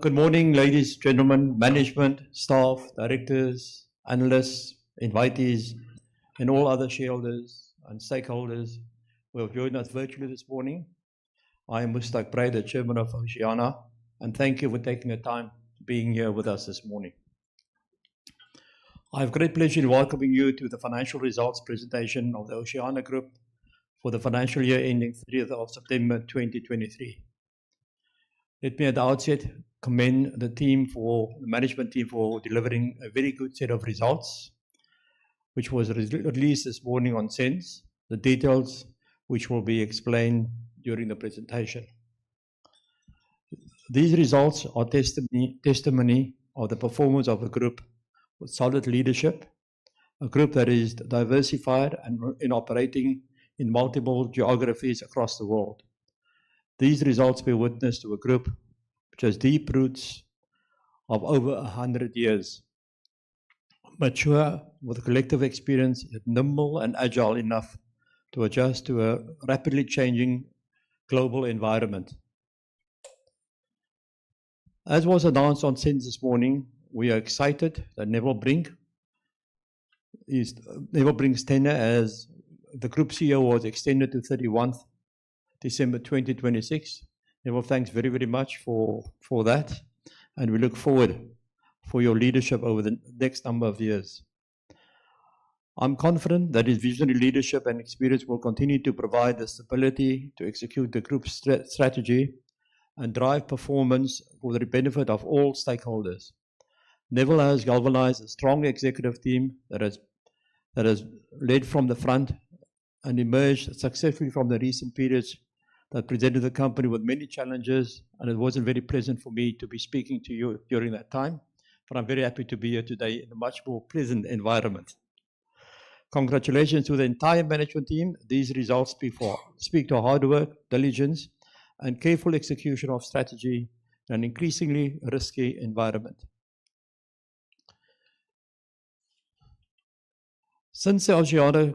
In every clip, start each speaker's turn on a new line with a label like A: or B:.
A: Good morning, ladies, gentlemen, management, staff, directors, analysts, invitees, and all other shareholders and stakeholders who have joined us virtually this morning. I am Mustaq Brey, the chairman of Oceana, and thank you for taking the time to being here with us this morning. I have great pleasure in welcoming you to the financial results presentation of the Oceana Group for the financial year ending 30 September 2023. Let me at the outset commend the management team for delivering a very good set of results, which was re-released this morning on SENS, the details which will be explained during the presentation. These results are testimony of the performance of a group with solid leadership, a group that is diversified and in operating in multiple geographies across the world. These results bear witness to a group which has deep roots of over 100 years, mature, with collective experience, yet nimble and agile enough to adjust to a rapidly changing global environment. As was announced on SENS this morning, we are excited that Neville Brink is... Neville Brink's tenure as the Group CEO was extended to 31 December 2026. Neville, thanks very, very much for, for that, and we look forward for your leadership over the next number of years. I'm confident that his visionary leadership and experience will continue to provide the stability to execute the group's strategy and drive performance for the benefit of all stakeholders. Neville has galvanized a strong executive team that has led from the front and emerged successfully from the recent periods that presented the company with many challenges, and it wasn't very pleasant for me to be speaking to you during that time. But I'm very happy to be here today in a much more pleasant environment. Congratulations to the entire management team. These results before speak to hard work, diligence, and careful execution of strategy in an increasingly risky environment. Since the Oceana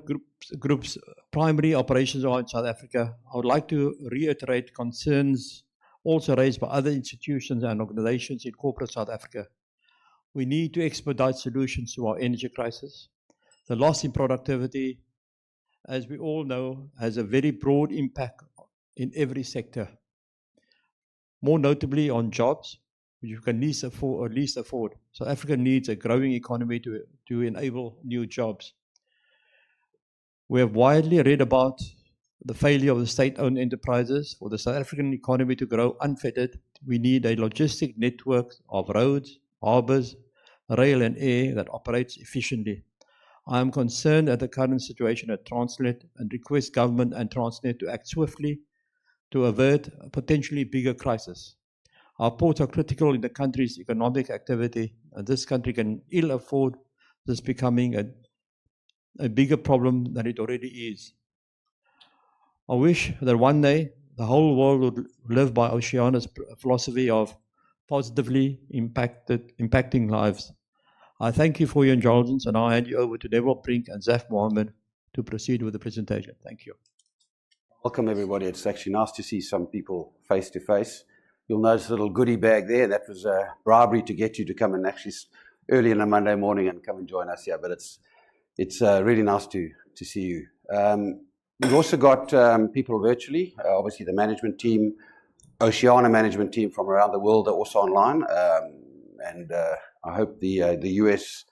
A: Group's primary operations are in South Africa, I would like to reiterate concerns also raised by other institutions and organizations in corporate South Africa. We need to expedite solutions to our energy crisis. The loss in productivity, as we all know, has a very broad impact in every sector, more notably on jobs, which you can least afford. South Africa needs a growing economy to enable new jobs. We have widely read about the failure of the state-owned enterprises. For the South African economy to grow unfettered, we need a logistic network of roads, harbors, rail and air that operates efficiently. I am concerned at the current situation at Transnet and request government and Transnet to act swiftly to avert a potentially bigger crisis. Our ports are critical in the country's economic activity, and this country can ill afford this becoming a bigger problem than it already is. I wish that one day the whole world would live by Oceana's philosophy of positively impacting lives. I thank you for your indulgence, and I'll hand you over to Neville Brink and Zaf Mahomed to proceed with the presentation. Thank you.
B: Welcome, everybody. It's actually nice to see some people face to face. You'll notice a little goodie bag there. That was a bribery to get you to come in actually early on a Monday morning and come and join us here. But it's really nice to see you. We've also got people virtually. Obviously, the management team, Oceana management team from around the world are also online. I hope the U.S.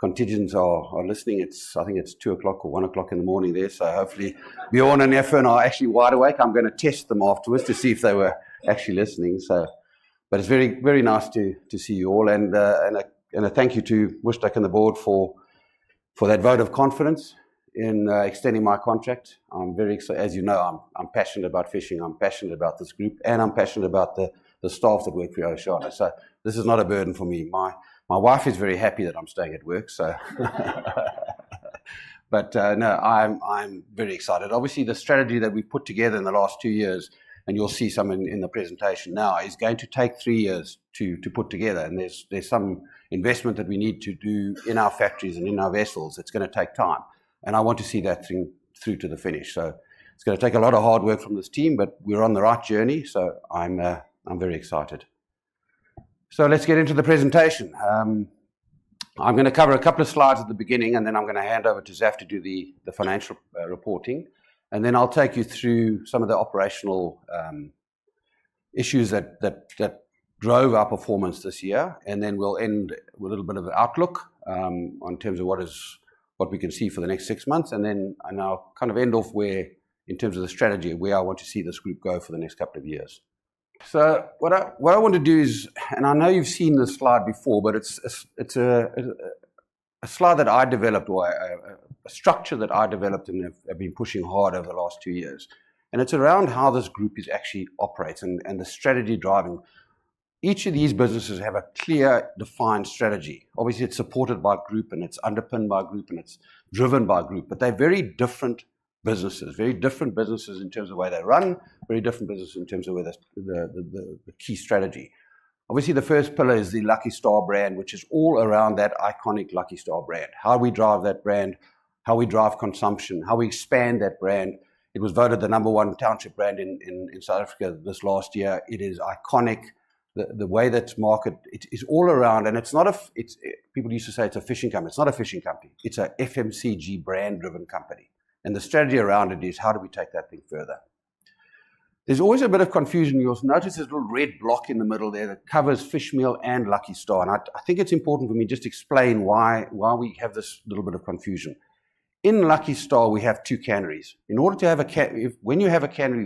B: contingents are listening. It's—I think it's 2:00 A.M or 1:00 A.M in the morning there, so hopefully Bjorn and Efren are actually wide awake. I'm gonna test them afterwards to see if they were actually listening, so... But it's very, very nice to see you all, and a thank you to Mustaq and the board for that vote of confidence in extending my contract. As you know, I'm passionate about fishing, I'm passionate about this group, and I'm passionate about the staff that work for Oceana. So this is not a burden for me. My wife is very happy that I'm staying at work, so. But no, I'm very excited. Obviously, the strategy that we put together in the last two years, and you'll see some in the presentation now, is going to take three years to put together, and there's some investment that we need to do in our factories and in our vessels. It's gonna take time, and I want to see that thing through to the finish. So it's gonna take a lot of hard work from this team, but we're on the right journey, so I'm very excited. So let's get into the presentation. I'm gonna cover a couple of slides at the beginning, and then I'm gonna hand over to Zaf to do the financial reporting. And then I'll take you through some of the operational issues that drove our performance this year. And then we'll end with a little bit of outlook in terms of what we can see for the next six months, and then I'll kind of end off in terms of the strategy where I want to see this group go for the next couple of years. So what I want to do is, and I know you've seen this slide before, but it's a slide that I developed, or a structure that I developed and I've been pushing hard over the last two years, and it's around how this group is actually operates and the strategy driving. Each of these businesses have a clear, defined strategy. Obviously, it's supported by group, and it's underpinned by group, and it's driven by group, but they're very different businesses. Very different businesses in terms of the way they're run, very different businesses in terms of where the key strategy.... obviously, the first pillar is the Lucky Star brand, which is all around that iconic Lucky Star brand. How we drive that brand, how we drive consumption, how we expand that brand. It was voted the number 1 township brand in South Africa this last year. It is iconic. The way that's marketed, it is all around, and it's not a—it's a... People used to say it's a fishing company. It's not a fishing company. It's a FMCG brand-driven company, and the strategy around it is how do we take that thing further? There's always a bit of confusion. You'll notice this little red block in the middle there that covers fish meal and Lucky Star, and I think it's important for me just to explain why we have this little bit of confusion. In Lucky Star, we have two canneries. In order to have a cannery, you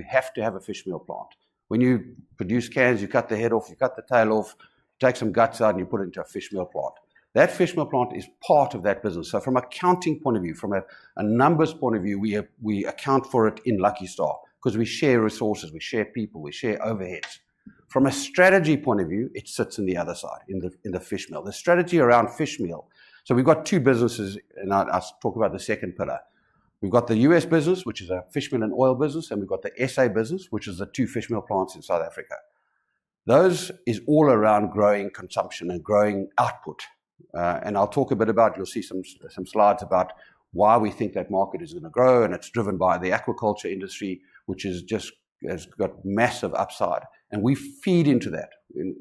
B: have to have a fish meal plant. When you produce cans, you cut the head off, you cut the tail off, take some guts out, and you put it into a fish meal plant. That fish meal plant is part of that business. So from an accounting point of view, from a numbers point of view, we account for it in Lucky Star 'cause we share resources, we share people, we share overheads. From a strategy point of view, it sits on the other side, in the fish meal. The strategy around fish meal... So we've got two businesses, and I, I'll talk about the second pillar. We've got the U.S. business, which is a fish meal and oil business, and we've got the SA business, which is the two fish meal plants in South Africa. Those is all around growing consumption and growing output. And I'll talk a bit about... You'll see some slides about why we think that market is gonna grow, and it's driven by the aquaculture industry, which is just has got massive upside, and we feed into that.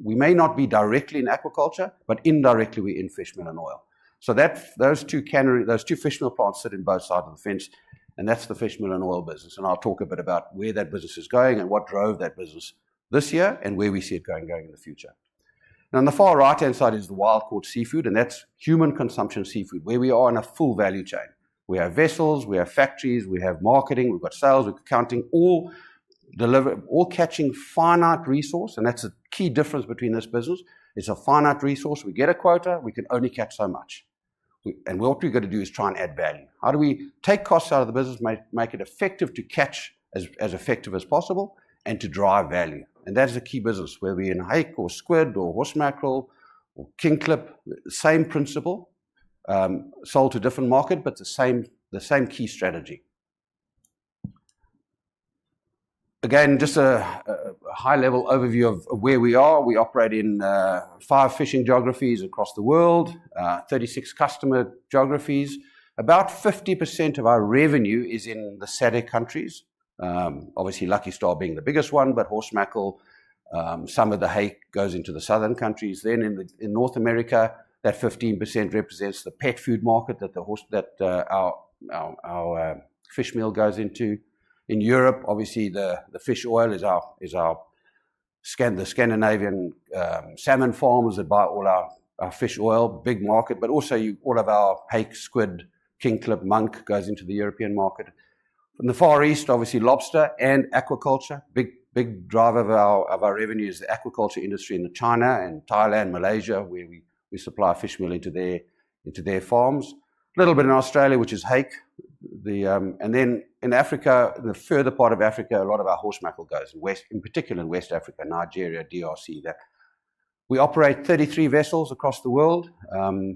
B: We may not be directly in aquaculture, but indirectly we're in fish meal and oil. So that's those two canneries, those two fish meal plants sit in both sides of the fence, and that's the fish meal and oil business. And I'll talk a bit about where that business is going and what drove that business this year and where we see it going in the future. Now, on the far right-hand side is the Wild Catch Seafood, and that's human consumption seafood, where we are in a full value chain. We have vessels, we have factories, we have marketing, we've got sales, we've got accounting, all deliver... All catching finite resource, and that's a key difference between this business. It's a finite resource. We get a quota, we can only catch so much. And what we've got to do is try and add value. How do we take costs out of the business, make it effective to catch as effective as possible and to drive value? And that is the key business, whether we're in hake or squid or horse mackerel or kingklip, same principle, sold to a different market, but the same, the same key strategy. Again, just a high-level overview of where we are. We operate in five fishing geographies across the world, 36 customer geographies. About 50% of our revenue is in the SADC countries, obviously, Lucky Star being the biggest one, but horse mackerel, some of the hake goes into the southern countries. Then in North America, that 15% represents the pet food market that our fish meal goes into. In Europe, obviously, the fish oil is our Scandinavian salmon farms that buy all our fish oil. Big market, but also all of our hake, squid, kingklip, monk goes into the European market. In the Far East, obviously, lobster and aquaculture. Big, big driver of our revenue is the aquaculture industry in China and Thailand, Malaysia, where we supply fish meal into their farms. A little bit in Australia, which is hake. And then in Africa, the further part of Africa, a lot of our horse mackerel goes, in particular in West Africa, Nigeria, DRC, there. We operate 33 vessels across the world,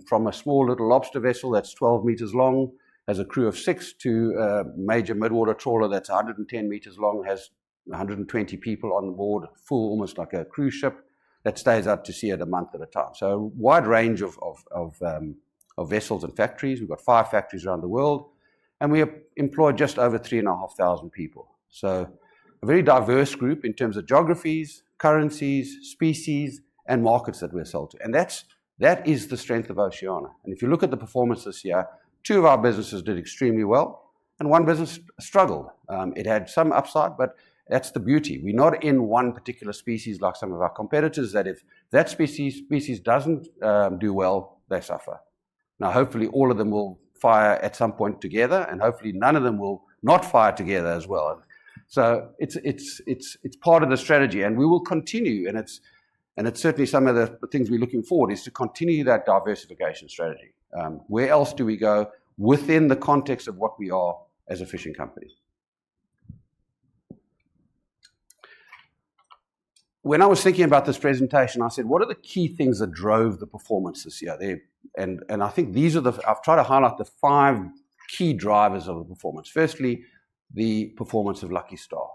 B: from a small little lobster vessel that's 12 m long, has a crew of six, to a major mid-water trawler that's 110 meters long, has 120 people on board, full, almost like a cruise ship, that stays out to sea at a month at a time. So a wide range of vessels and factories. We've got five factories around the world, and we employ just over 3,500 people. So a very diverse group in terms of geographies, currencies, species, and markets that we sell to. And that's, that is the strength of Oceana. And if you look at the performance this year, two of our businesses did extremely well, and one business struggled. It had some upside, but that's the beauty. We're not in one particular species like some of our competitors, that if that species doesn't do well, they suffer. Now, hopefully, all of them will fire at some point together, and hopefully, none of them will not fire together as well. So it's part of the strategy, and we will continue, and it's certainly some of the things we're looking forward, is to continue that diversification strategy. Where else do we go within the context of what we are as a fishing company? When I was thinking about this presentation, I said: What are the key things that drove the performance this year? And I think these are the... I've tried to highlight the five key drivers of the performance. Firstly, the performance of Lucky Star.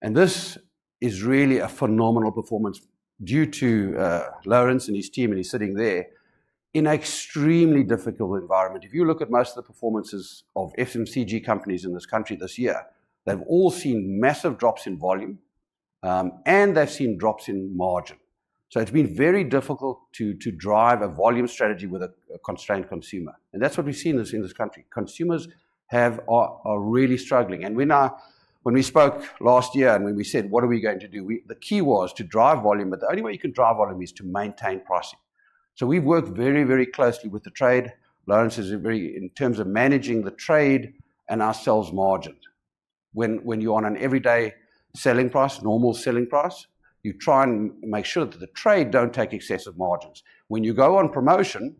B: This is really a phenomenal performance due to Lourens and his team, and he's sitting there, in an extremely difficult environment. If you look at most of the performances of FMCG companies in this country this year, they've all seen massive drops in volume, and they've seen drops in margin. So it's been very difficult to drive a volume strategy with a constrained consumer, and that's what we've seen this in this country. Consumers are really struggling, and we now—when we spoke last year, and when we said, "What are we going to do?" We. The key was to drive volume, but the only way you can drive volume is to maintain pricing. So we've worked very, very closely with the trade. Lawrence is a very... In terms of managing the trade and our sales margin. When you're on an everyday selling price, normal selling price, you try and make sure that the trade don't take excessive margins. When you go on promotion,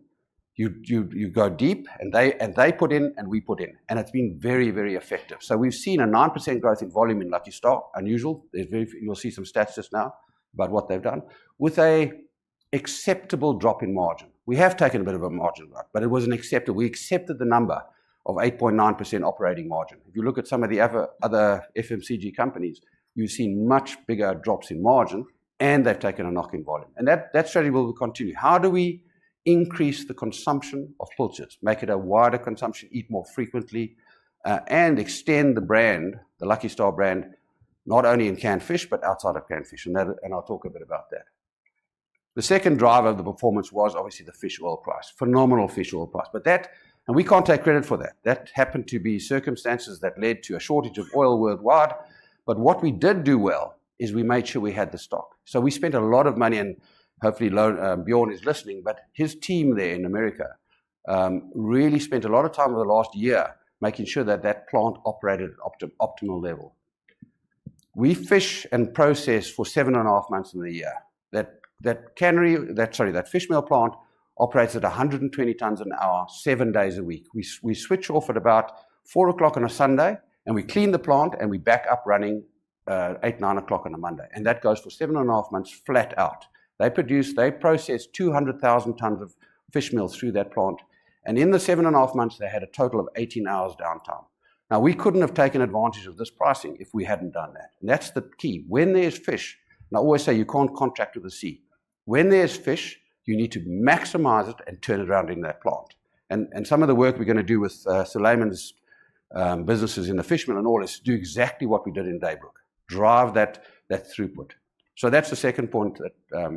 B: you go deep, and they put in, and we put in, and it's been very, very effective. So we've seen a 9% growth in volume in Lucky Star. Unusual. There's very few... You'll see some stats just now about what they've done. With an acceptable drop in margin. We have taken a bit of a margin drop, but it was an accepted. We accepted the number of 8.9% operating margin. If you look at some of the other FMCG companies, you've seen much bigger drops in margin, and they've taken a knock in volume, and that strategy will continue. How do we increase the consumption of pilchards? Make it a wider consumption, eat more frequently, and extend the brand, the Lucky Star brand, not only in canned fish, but outside of canned fish, and that. I'll talk a bit about that. The second driver of the performance was obviously the fish oil price. Phenomenal fish oil price, but that and we can't take credit for that. That happened to be circumstances that led to a shortage of oil worldwide. But what we did do well is we made sure we had the stock. So we spent a lot of money and hopefully Bjorn is listening, but his team there in America really spent a lot of time over the last year making sure that that plant operated at optimal level. We fish and process for 7.5 months of the year. That cannery, that... Sorry, that fish meal plant operates at 120 tons an hour, seven days a week. We switch off at about 4:00 P.M. on a Sunday, and we clean the plant, and we back up running 8:00 A.M, 9:00 A.M on a Monday, and that goes for seven and a half months flat out. They produce... They process 200,000 tons of fish meal through that plant, and in the seven and a half months, they had a total of 18 hours downtime. Now, we couldn't have taken advantage of this pricing if we hadn't done that, and that's the key. When there's fish, and I always say you can't contract with the sea, when there's fish, you need to maximize it and turn it around in that plant. Some of the work we're gonna do with Suleiman's businesses in the fish meal and oil is do exactly what we did in Daybrook, drive that throughput. So that's the second point that...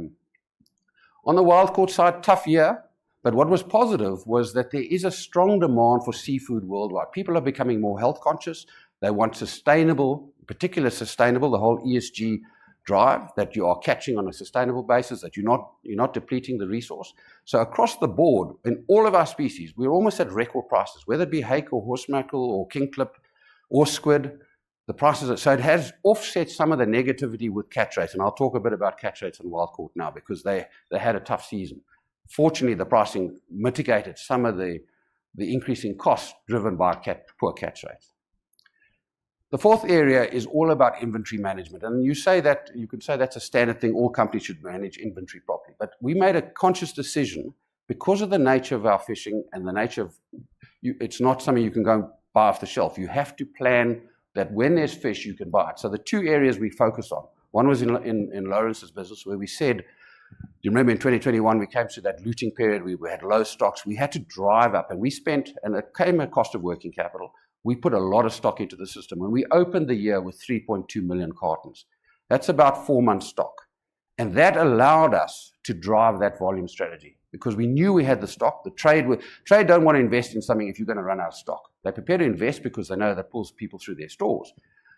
B: On the wild caught side, tough year, but what was positive was that there is a strong demand for seafood worldwide. People are becoming more health conscious. They want sustainable, particular sustainable, the whole ESG drive, that you are catching on a sustainable basis, that you're not, you're not depleting the resource. So across the board, in all of our species, we're almost at record prices, whether it be hake or horse mackerel or kingklip or squid, the prices at sea has offset some of the negativity with catch rates, and I'll talk a bit about catch rates and wild caught now because they, they had a tough season. Fortunately, the pricing mitigated some of the increasing costs driven by catch-poor catch rates. The fourth area is all about inventory management, and you say that... You could say that's a standard thing, all companies should manage inventory properly. But we made a conscious decision because of the nature of our fishing and the nature of you... It's not something you can go and buy off the shelf. You have to plan that when there's fish, you can buy it. So the two areas we focus on, one was in Lawrence's business, where we said... Do you remember in 2021, we came to that looting period? We had low stocks. We had to drive up, and we spent, and it came at cost of working capital. We put a lot of stock into the system, and we opened the year with 3.2 million cartons. That's about four months stock, and that allowed us to drive that volume strategy because we knew we had the stock. The trade don't want to invest in something if you're gonna run out of stock. They're prepared to invest because they know that pulls people through their stores.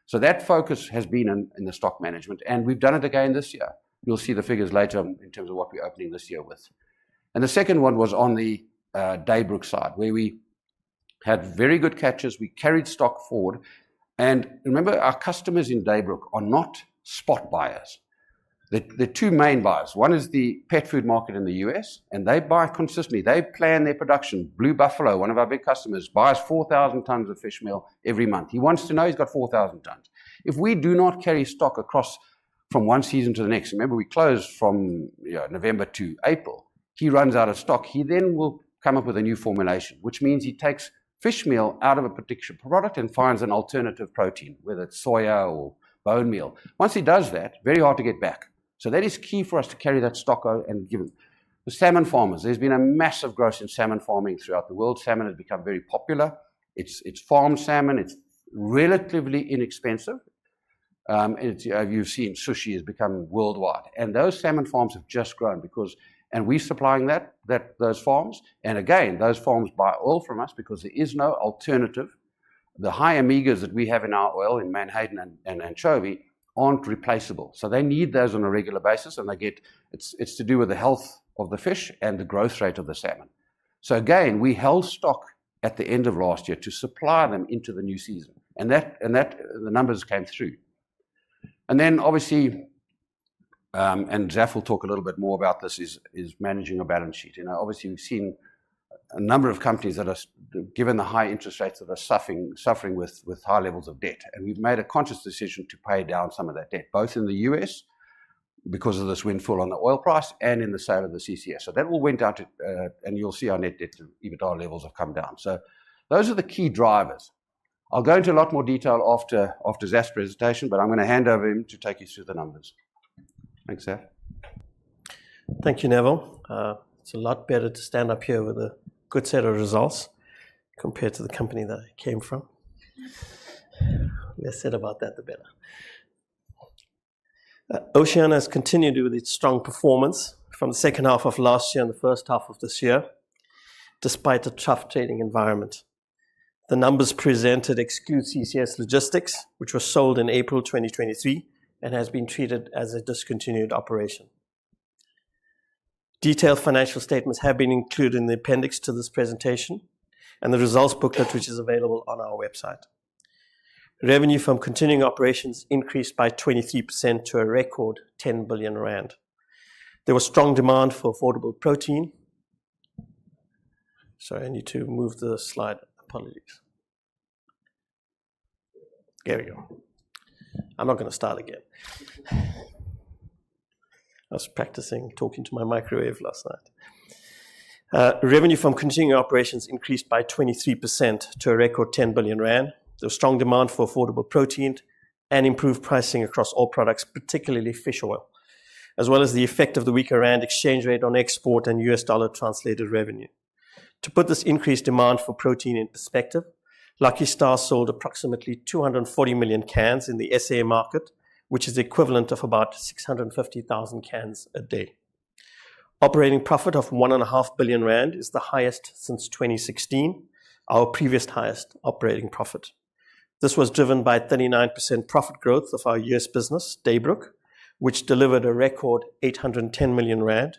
B: So that focus has been in the stock management, and we've done it again this year. You'll see the figures later in terms of what we're opening this year with. And the second one was on the Daybrook side, where we had very good catches. We carried stock forward. And remember, our customers in Daybrook are not spot buyers. The two main buyers, one is the pet food market in the U.S., and they buy consistently. They plan their production. Blue Buffalo, one of our big customers, buys 4,000 tons of fish meal every month. He wants to know he's got 4,000 tons. If we do not carry stock across from one season to the next, remember, we close from November to April, he runs out of stock. He then will come up with a new formulation, which means he takes fish meal out of a particular product and finds an alternative protein, whether it's soy or bone meal. Once he does that, very hard to get back. So that is key for us to carry that stock out and give him. The salmon farmers, there's been a massive growth in salmon farming throughout the world. Salmon has become very popular. It's farmed salmon; it's relatively inexpensive. You've seen sushi has become worldwide, and those salmon farms have just grown because... And we're supplying that, those farms, and again, those farms buy oil from us because there is no alternative. The high omegas that we have in our oil, in menhaden and anchovy, aren't replaceable. So they need those on a regular basis, and they get-- It's to do with the health of the fish and the growth rate of the salmon. So again, we held stock at the end of last year to supply them into the new season, and that, the numbers came through. And then, obviously, and Zaf will talk a little bit more about this, managing a balance sheet. You know, obviously, we've seen a number of companies that are, given the high interest rates, that are suffering, suffering with, with high levels of debt. And we've made a conscious decision to pay down some of that debt, both in the U.S. because of the windfall on the oil price and in the sale of the CCS. So that all went down to. And you'll see our net debt to EBITDA levels have come down. So those are the key drivers. I'll go into a lot more detail after, after Zaf's presentation, but I'm gonna hand over him to take you through the numbers. Thanks, Zaf.
C: Thank you, Neville. It's a lot better to stand up here with a good set of results compared to the company that I came from. The less said about that, the better. Oceana has continued with its strong performance from the second half of last year and the first half of this year, despite a tough trading environment. The numbers presented exclude CCS Logistics, which was sold in April 2023 and has been treated as a discontinued operation. Detailed financial statements have been included in the appendix to this presentation and the results booklet, which is available on our website. Revenue from continuing operations increased by 23% to a record 10 billion rand. There was strong demand for affordable protein. Sorry, I need to move the slide. Apologies.... Here we go. I'm not gonna start again. I was practicing talking to my microwave last night. Revenue from continuing operations increased by 23% to a record 10 billion rand. There was strong demand for affordable protein and improved pricing across all products, particularly fish oil, as well as the effect of the weaker rand exchange rate on export and US dollar translated revenue. To put this increased demand for protein in perspective, Lucky Star sold approximately 240 million cans in the SA market, which is the equivalent of about 650,000 cans a day. Operating profit of 1.5 billion rand is the highest since 2016, our previous highest operating profit. This was driven by a 39% profit growth of our US business, Daybrook, which delivered a record 810 million rand,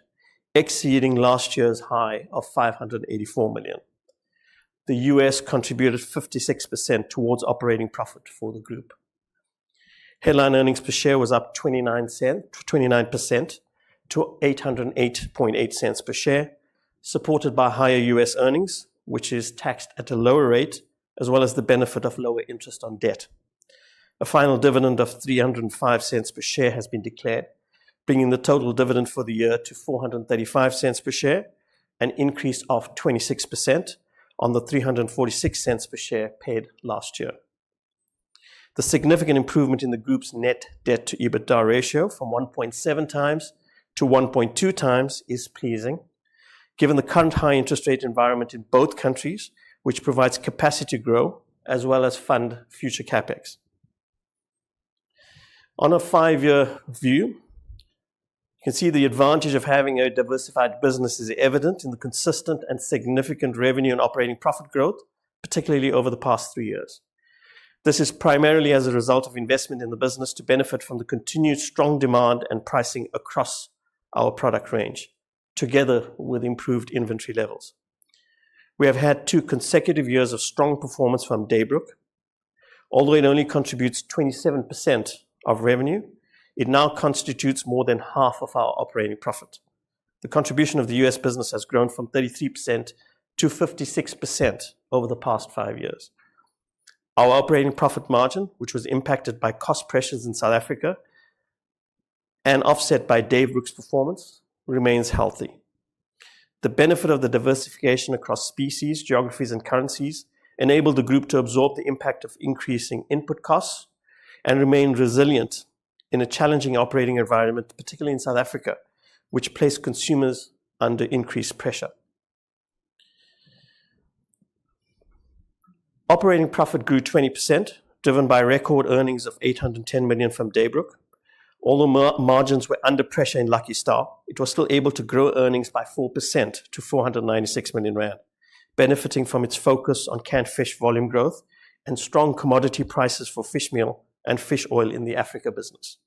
C: exceeding last year's high of 584 million. The U.S. contributed 56% towards operating profit for the group. Headline earnings per share was up 29% to 8.088 per share, supported by higher U.S. earnings, which is taxed at a lower rate, as well as the benefit of lower interest on debt. A final dividend of 3.05 per share has been declared, bringing the total dividend for the year to 4.35 per share, an increase of 26% on the 3.46 per share paid last year. The significant improvement in the group's net debt to EBITDA ratio from 1.7 times to 1.2 times is pleasing, given the current high interest rate environment in both countries, which provides capacity to grow as well as fund future CapEx. On a 5-year view, you can see the advantage of having a diversified business is evident in the consistent and significant revenue and operating profit growth, particularly over the past 3 years. This is primarily as a result of investment in the business to benefit from the continued strong demand and pricing across our product range, together with improved inventory levels. We have had 2 consecutive years of strong performance from Daybrook. Although it only contributes 27% of revenue, it now constitutes more than half of our operating profit. The contribution of the U.S. business has grown from 33% to 56% over the past 5 years. Our operating profit margin, which was impacted by cost pressures in South Africa and offset by Daybrook's performance, remains healthy. The benefit of the diversification across species, geographies, and currencies enabled the group to absorb the impact of increasing input costs and remain resilient in a challenging operating environment, particularly in South Africa, which placed consumers under increased pressure. Operating profit grew 20%, driven by record earnings of 810 million from Daybrook. Although margins were under pressure in Lucky Star, it was still able to grow earnings by 4% to 496 million rand, benefiting from its focus on canned fish volume growth and strong commodity prices for fish meal and fish oil in the Africa business.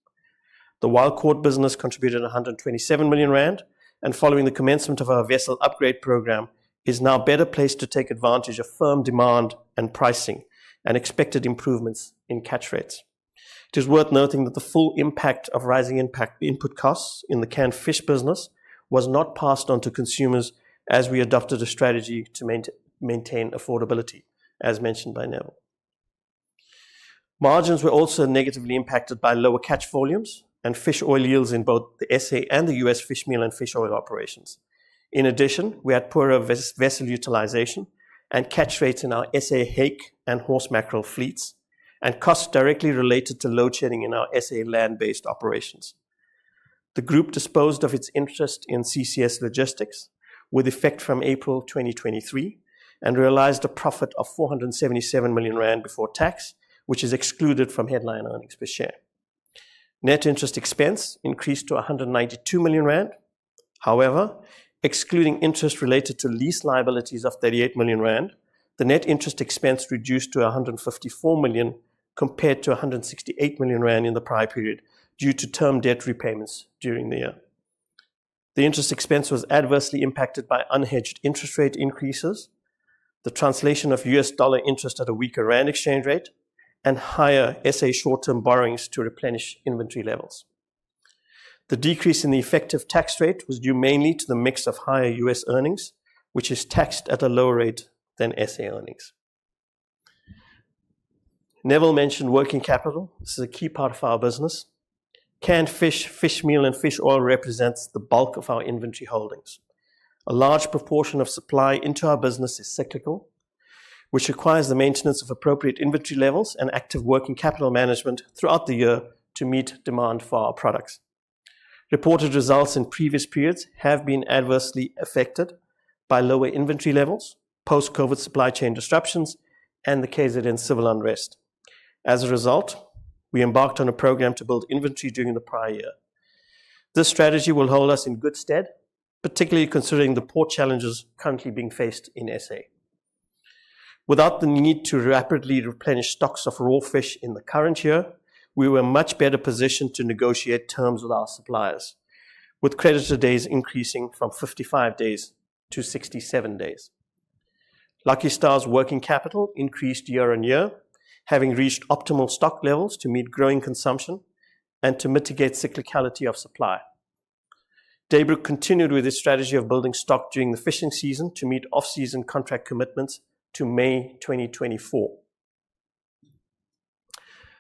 C: The wild-caught business contributed 127 million rand, and following the commencement of our vessel upgrade program, is now better placed to take advantage of firm demand and pricing and expected improvements in catch rates. It is worth noting that the full impact of rising input costs in the canned fish business was not passed on to consumers as we adopted a strategy to maintain affordability, as mentioned by Neville. Margins were also negatively impacted by lower catch volumes and fish oil yields in both the SA and the US fish meal and fish oil operations. In addition, we had poorer vessel utilization and catch rates in our SA hake and horse mackerel fleets, and costs directly related to load shedding in our SA land-based operations. The group disposed of its interest in CCS Logistics with effect from April 2023 and realized a profit of 477 million rand before tax, which is excluded from headline earnings per share. Net interest expense increased to 192 million rand. However, excluding interest related to lease liabilities of 38 million rand, the net interest expense reduced to 154 million, compared to 168 million rand in the prior period, due to term debt repayments during the year. The interest expense was adversely impacted by unhedged interest rate increases, the translation of U.S. dollar interest at a weaker rand exchange rate, and higher S.A. short-term borrowings to replenish inventory levels. The decrease in the effective tax rate was due mainly to the mix of higher U.S. earnings, which is taxed at a lower rate than S.A. earnings. Neville mentioned working capital. This is a key part of our business. Canned fish, fish meal, and fish oil represents the bulk of our inventory holdings. A large proportion of supply into our business is cyclical, which requires the maintenance of appropriate inventory levels and active working capital management throughout the year to meet demand for our products. Reported results in previous periods have been adversely affected by lower inventory levels, post-COVID supply chain disruptions, and the KZN civil unrest. As a result, we embarked on a program to build inventory during the prior year. This strategy will hold us in good stead, particularly considering the port challenges currently being faced in SA. Without the need to rapidly replenish stocks of raw fish in the current year, we were much better positioned to negotiate terms with our suppliers, with creditor days increasing from 55 days to 67 days. Lucky Star's working capital increased year on year, having reached optimal stock levels to meet growing consumption and to mitigate cyclicality of supply.... Daybrook continued with its strategy of building stock during the fishing season to meet off-season contract commitments to May 2024.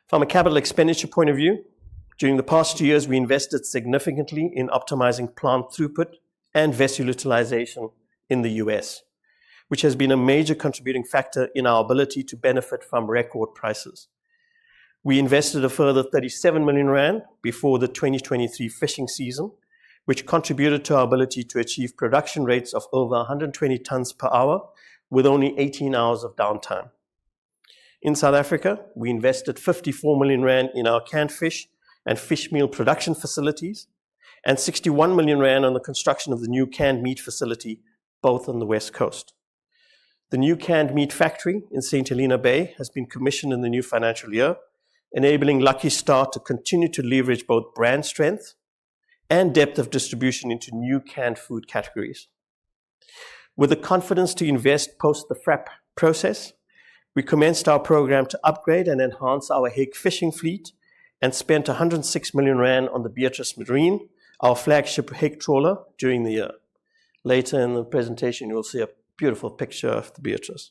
C: From a capital expenditure point of view, during the past two years, we invested significantly in optimizing plant throughput and vessel utilization in the US, which has been a major contributing factor in our ability to benefit from record prices. We invested a further 37 million rand before the 2023 fishing season, which contributed to our ability to achieve production rates of over 120 tons per hour, with only 18 hours of downtime. In South Africa, we invested 54 million rand in our canned fish and fish meal production facilities, and 61 million rand on the construction of the new canned meat facility, both on the West Coast. The new canned meat factory in St Helena Bay has been commissioned in the new financial year, enabling Lucky Star to continue to leverage both brand strength and depth of distribution into new canned food categories. With the confidence to invest post the FRAP process, we commenced our program to upgrade and enhance our hake fishing fleet and spent 106 million rand on the Beatrice Marine, our flagship hake trawler, during the year. Later in the presentation, you will see a beautiful picture of the Beatrice.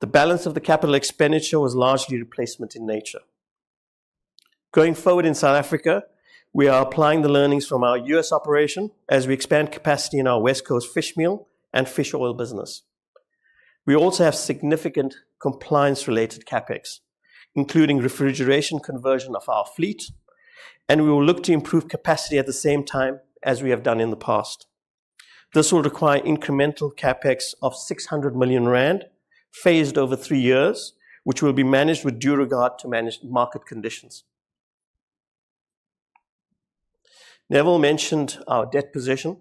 C: The balance of the capital expenditure was largely replacement in nature. Going forward in South Africa, we are applying the learnings from our U.S. operation as we expand capacity in our West Coast fish meal and fish oil business. We also have significant compliance-related CapEx, including refrigeration conversion of our fleet, and we will look to improve capacity at the same time as we have done in the past. This will require incremental CapEx of 600 million rand, phased over three years, which will be managed with due regard to manage market conditions. Neville mentioned our debt position.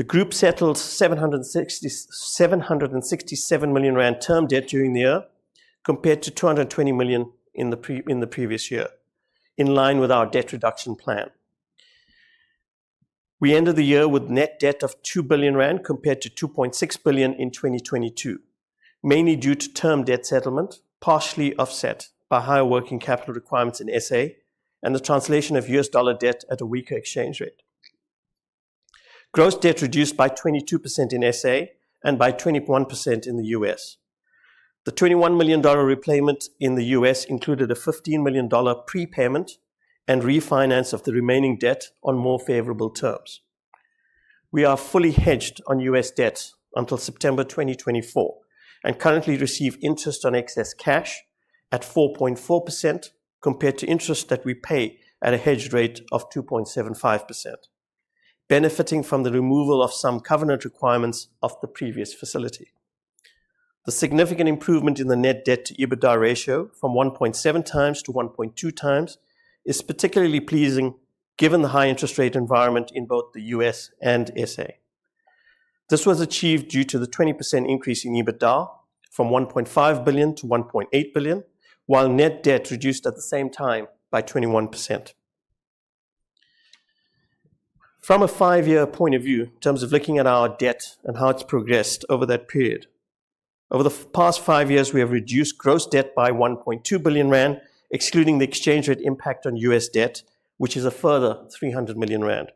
C: The group settled 767 million rand term debt during the year, compared to 220 million in the previous year, in line with our debt reduction plan. We ended the year with net debt of 2 billion rand, compared to 2.6 billion in 2022, mainly due to term debt settlement, partially offset by higher working capital requirements in SA and the translation of US dollar debt at a weaker exchange rate. Gross debt reduced by 22% in SA and by 21% in the US. The $21 million repayment in the US included a $15 million prepayment and refinance of the remaining debt on more favorable terms. We are fully hedged on U.S. debt until September 2024 and currently receive interest on excess cash at 4.4%, compared to interest that we pay at a hedged rate of 2.75%, benefiting from the removal of some covenant requirements of the previous facility. The significant improvement in the net debt to EBITDA ratio from 1.7 times to 1.2 times, is particularly pleasing, given the high interest rate environment in both the U.S. and S..A. This was achieved due to the 20% increase in EBITDA from 1.5 billion to 1.8 billion, while net debt reduced at the same time by 21%. From a 5-year point of view, in terms of looking at our debt and how it's progressed over that period. Over the past 5 years, we have reduced gross debt by 1.2 billion rand, excluding the exchange rate impact on U.S. debt, which is a further 300 million rand.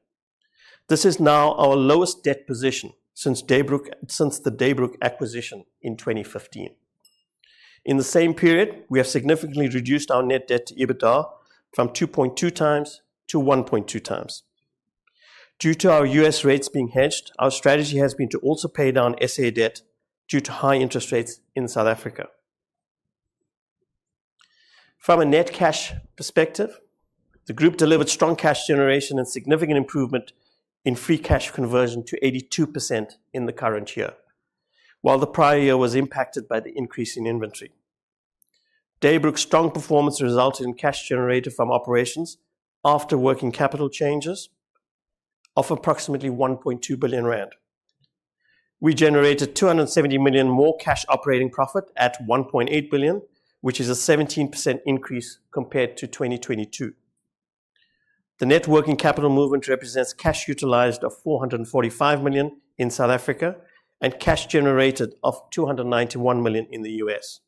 C: This is now our lowest debt position since the Daybrook acquisition in 2015. In the same period, we have significantly reduced our net debt to EBITDA from 2.2x to 1.2x. Due to our US rates being hedged, our strategy has been to also pay down SA debt due to high interest rates in South Africa. From a net cash perspective, the group delivered strong cash generation and significant improvement in free cash conversion to 82% in the current year, while the prior year was impacted by the increase in inventory. Daybrook's strong performance resulted in cash generated from operations after working capital changes of approximately 1.2 billion rand. We generated 270 million more cash operating profit at 1.8 billion, which is a 17% increase compared to 2022. The net working capital movement represents cash utilized of 445 million in South Africa and cash generated of $291 million in the U.S.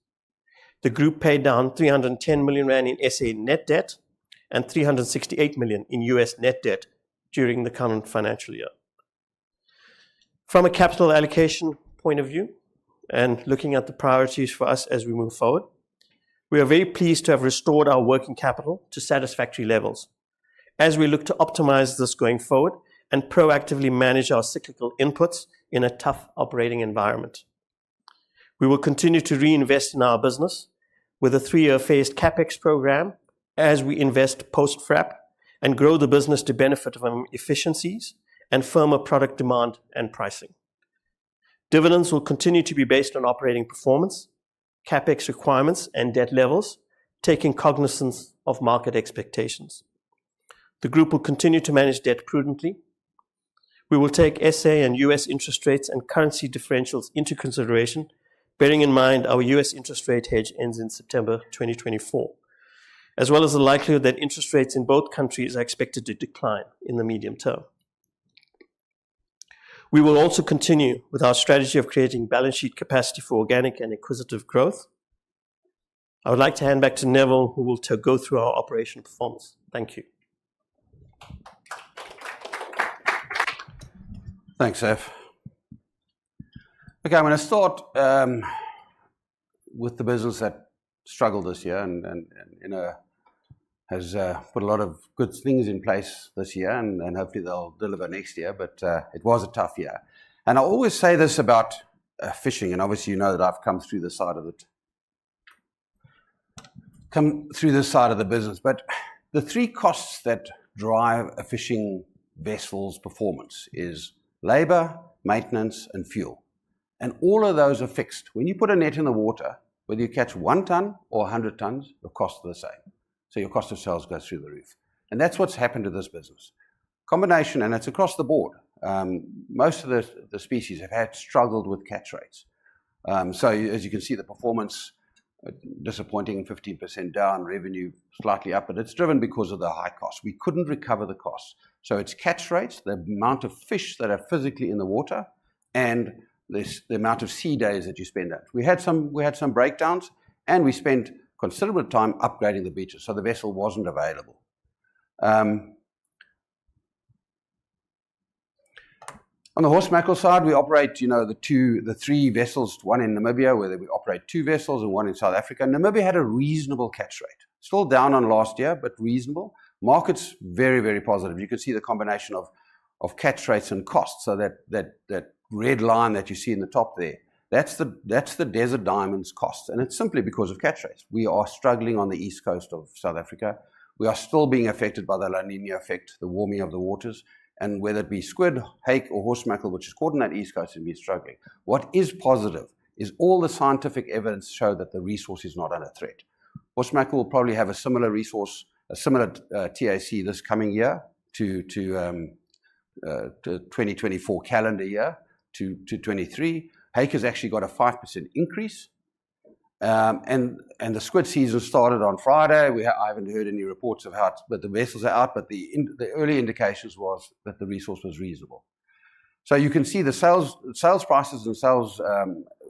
C: The group paid down 310 million rand in S.A. net debt and $368 million in US net debt during the current financial year. From a capital allocation point of view, and looking at the priorities for us as we move forward, we are very pleased to have restored our working capital to satisfactory levels as we look to optimize this going forward and proactively manage our cyclical inputs in a tough operating environment. We will continue to reinvest in our business with a three-year phased CapEx program as we invest post-FRAP and grow the business to benefit from efficiencies and firmer product demand and pricing. Dividends will continue to be based on operating performance, CapEx requirements, and debt levels, taking cognizance of market expectations. The group will continue to manage debt prudently. We will take S.A. and U.S. interest rates and currency differentials into consideration, bearing in mind our U.S. interest rate hedge ends in September 2024, as well as the likelihood that interest rates in both countries are expected to decline in the medium term. We will also continue with our strategy of creating balance sheet capacity for organic and acquisitive growth. I would like to hand back to Neville, who will to go through our operation performance. Thank you.
B: Thanks, Ev. Okay, I'm gonna start with the business that struggled this year and, you know, has put a lot of good things in place this year, and hopefully they'll deliver next year, but it was a tough year. I always say this about fishing, and obviously, you know that I've come through this side of it. Come through this side of the business. But the three costs that drive a fishing vessel's performance is labor, maintenance, and fuel, and all of those are fixed. When you put a net in the water, whether you catch 1 ton or 100 tons, your cost is the same, so your cost of sales goes through the roof, and that's what's happened to this business. Combination, and it's across the board. Most of the species have had struggled with catch rates. So as you can see, the performance disappointing, 15% down, revenue slightly up, but it's driven because of the high cost. We couldn't recover the costs. So it's catch rates, the amount of fish that are physically in the water, and the amount of sea days that you spend out. We had some breakdowns, and we spent considerable time upgrading the vessels, so the vessel wasn't available. On the horse mackerel side, we operate the three vessels, one in Namibia, where we operate two vessels and one in South Africa. Namibia had a reasonable catch rate. Still down on last year, but reasonable. Market's very, very positive. You can see the combination of catch rates and costs, so that red line that you see in the top there, that's the Desert Diamond's cost, and it's simply because of catch rates. We are struggling on the East Coast of South Africa. We are still being affected by the La Niña effect, the warming of the waters, and whether it be squid, hake, or horse mackerel, which is caught in that East Coast, have been struggling. What is positive is all the scientific evidence show that the resource is not under threat. Horse mackerel will probably have a similar resource, a similar TAC this coming year to 2024 calendar year to 2023. Hake has actually got a 5% increase. The squid season started on Friday. I haven't heard any reports of how it... But the vessels are out, but the early indications was that the resource was reasonable. So you can see the sales prices themselves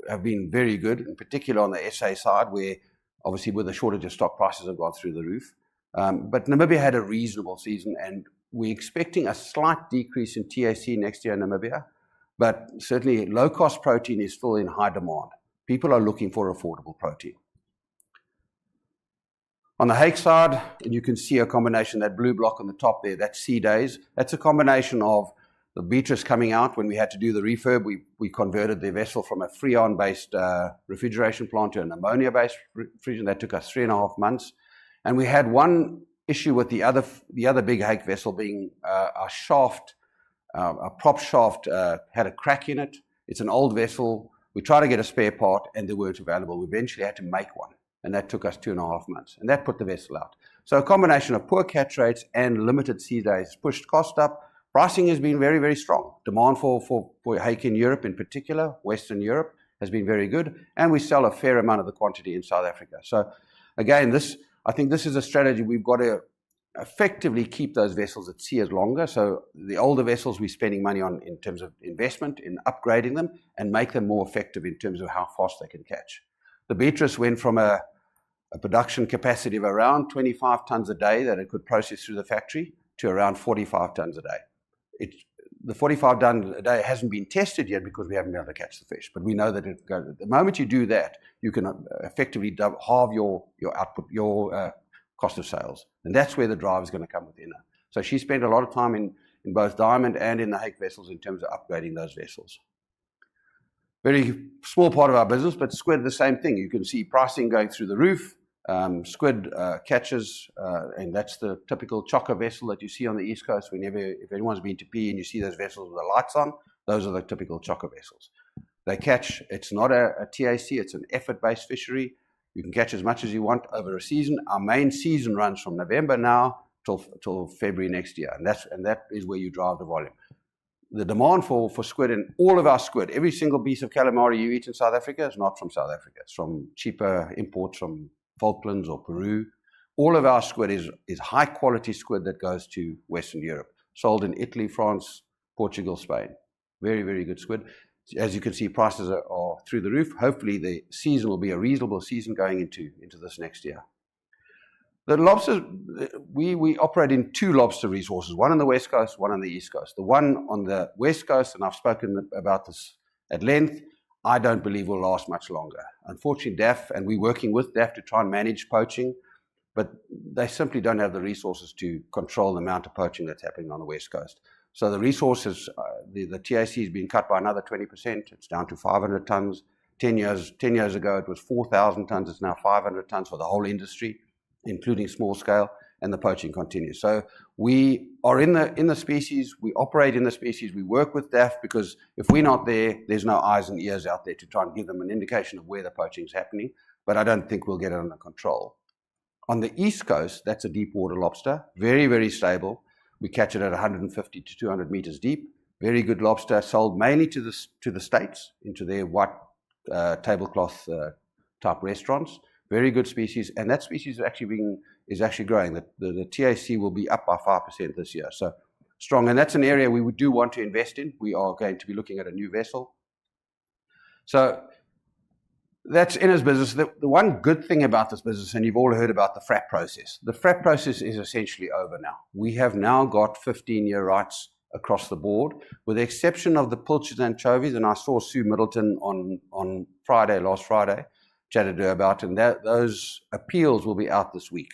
B: have been very good, in particular on the S.A. side, where obviously with the shortage of stock, prices have gone through the roof. But Namibia had a reasonable season, and we're expecting a slight decrease in TAC next year in Namibia, but certainly, low-cost protein is still in high demand. People are looking for affordable protein. On the hake side, and you can see a combination, that blue block on the top there, that's sea days. That's a combination of the Beatrice coming out. When we had to do the refurb, we converted the vessel from a Freon-based refrigeration plant to an ammonia-based refrigeration. That took us three and a half months, and we had one issue with the other big hake vessel, a prop shaft had a crack in it. It's an old vessel. We tried to get a spare part, and there weren't available. We eventually had to make one, and that took us two and a half months, and that put the vessel out. So a combination of poor catch rates and limited sea days pushed cost up. Pricing has been very, very strong. Demand for hake in Europe, in particular Western Europe, has been very good, and we sell a fair amount of the quantity in South Africa. So again, I think this is a strategy we've got to effectively keep those vessels at sea as longer. So the older vessels, we're spending money on in terms of investment, in upgrading them and make them more effective in terms of how fast they can catch. The Beatrice went from a production capacity of around 25 tons a day that it could process through the factory to around 45 tons a day. It's the 45-ton-a-day hasn't been tested yet because we haven't been able to catch the fish, but we know that. The moment you do that, you can effectively double, halve your output, your cost of sales, and that's where the drive is gonna come with Ina. So she spent a lot of time in, in both diamond and in the hake vessels in terms of upgrading those vessels. Very small part of our business, but squid, the same thing. You can see pricing going through the roof. Squid catches, and that's the typical chokka vessel that you see on the East Coast. Whenever—if anyone's been to PE, and you see those vessels with the lights on, those are the typical chokka vessels. They catch. It's not a TAC, it's an effort-based fishery. You can catch as much as you want over a season. Our main season runs from November now till February next year, and that is where you drive the volume. The demand for squid and all of our squid, every single piece of calamari you eat in South Africa is not from South Africa. It's from cheaper imports from Falklands or Peru. All of our squid is high quality squid that goes to Western Europe, sold in Italy, France, Portugal, Spain. Very, very good squid. As you can see, prices are through the roof. Hopefully, the season will be a reasonable season going into this next year. The lobster, we operate in two lobster resources, one on the West Coast, one on the East Coast. The one on the West Coast, and I've spoken about this at length, I don't believe will last much longer. Unfortunately, DFFE, and we're working with DFFE to try and manage poaching, but they simply don't have the resources to control the amount of poaching that's happening on the West Coast. So the resources, the TAC has been cut by another 20%. It's down to 500 tons. 10 years, 10 years ago, it was 4,000 tons. It's now 500 tons for the whole industry, including small scale, and the poaching continues. So we are in the species, we operate in the species, we work with DAFF because if we're not there, there's no eyes and ears out there to try and give them an indication of where the poaching is happening, but I don't think we'll get it under control. On the East Coast, that's a deep water lobster, very, very stable. We catch it at 150-200 meters deep. Very good lobster, sold mainly to the States, into their white-tablecloth type restaurants. Very good species, and that species is actually growing. The TAC will be up by 5% this year. So strong, and that's an area we would do want to invest in. We are going to be looking at a new vessel. So that's in his business. The one good thing about this business, and you've all heard about the FRAP process. The FRAP process is essentially over now. We have now got 15-year rights across the board, with the exception of the pilchards and anchovies, and I saw Sue Middleton on Friday, last Friday, chatted to her about them. Those appeals will be out this week.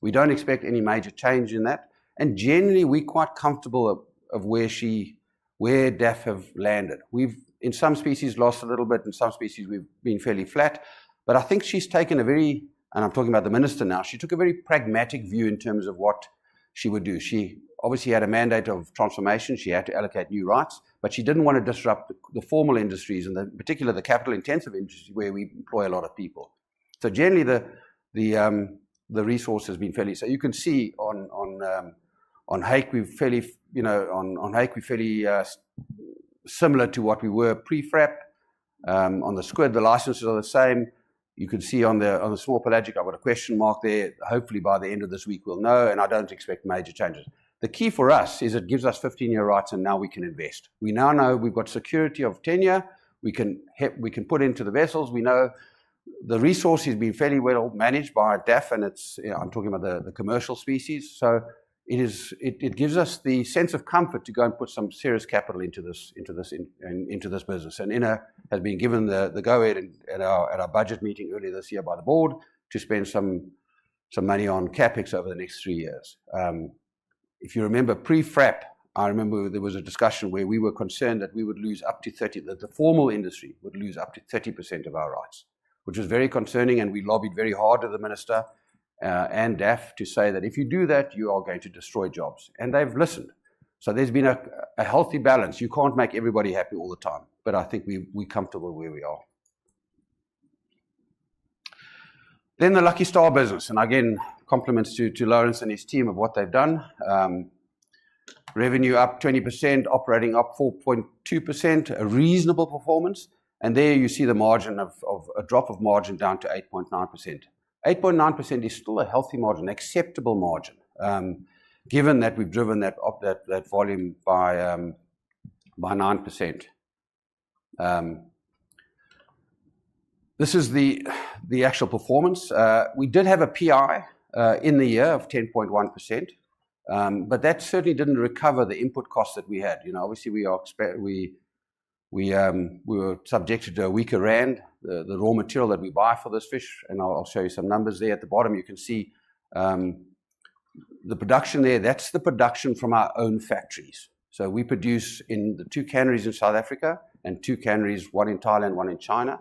B: We don't expect any major change in that, and generally, we're quite comfortable of where she, where DFFE have landed. We've, in some species, lost a little bit, in some species we've been fairly flat. But I think she's taken a very... And I'm talking about the Minister now. She took a very pragmatic view in terms of what she would do. She obviously had a mandate of transformation. She had to allocate new rights, but she didn't want to disrupt the formal industries, and in particular, the capital-intensive industries where we employ a lot of people. So generally, the resource has been fairly... So you can see on hake, we're fairly, you know, similar to what we were pre-FRAP. On the squid, the licenses are the same. You can see on the small pelagic, I've got a question mark there. Hopefully, by the end of this week, we'll know, and I don't expect major changes. The key for us is it gives us 15-year rights, and now we can invest. We now know we've got security of tenure. We can put into the vessels. We know the resource is being fairly well managed by DFFE, and it's, you know... I'm talking about the commercial species. So it gives us the sense of comfort to go and put some serious capital into this business. And Ina has been given the go-ahead at our budget meeting earlier this year by the board to spend some money on CapEx over the next three years. If you remember pre-FRAP, I remember there was a discussion where we were concerned that we would lose up to 30%—that the formal industry would lose up to 30% of our rights, which was very concerning, and we lobbied very hard to the Minister, and DFFE, to say that, "If you do that, you are going to destroy jobs." And they've listened. So there's been a healthy balance. You can't make everybody happy all the time, but I think we, we're comfortable where we are. Then the Lucky Star business, and again, compliments to Lawrence and his team of what they've done. Revenue up 20%, operating up 4.2%, a reasonable performance, and there you see the margin of a drop of margin down to 8.9%. 8.9% is still a healthy margin, acceptable margin, given that we've driven that up, that volume by 9%. This is the actual performance. We did have a PI in the year of 10.1%, but that certainly didn't recover the input costs that we had. You know, obviously, we were subjected to a weaker rand, the raw material that we buy for this fish, and I'll show you some numbers there. At the bottom, you can see the production there. That's the production from our own factories. So we produce in the two canneries in South Africa and two canneries, one in Thailand, one in China.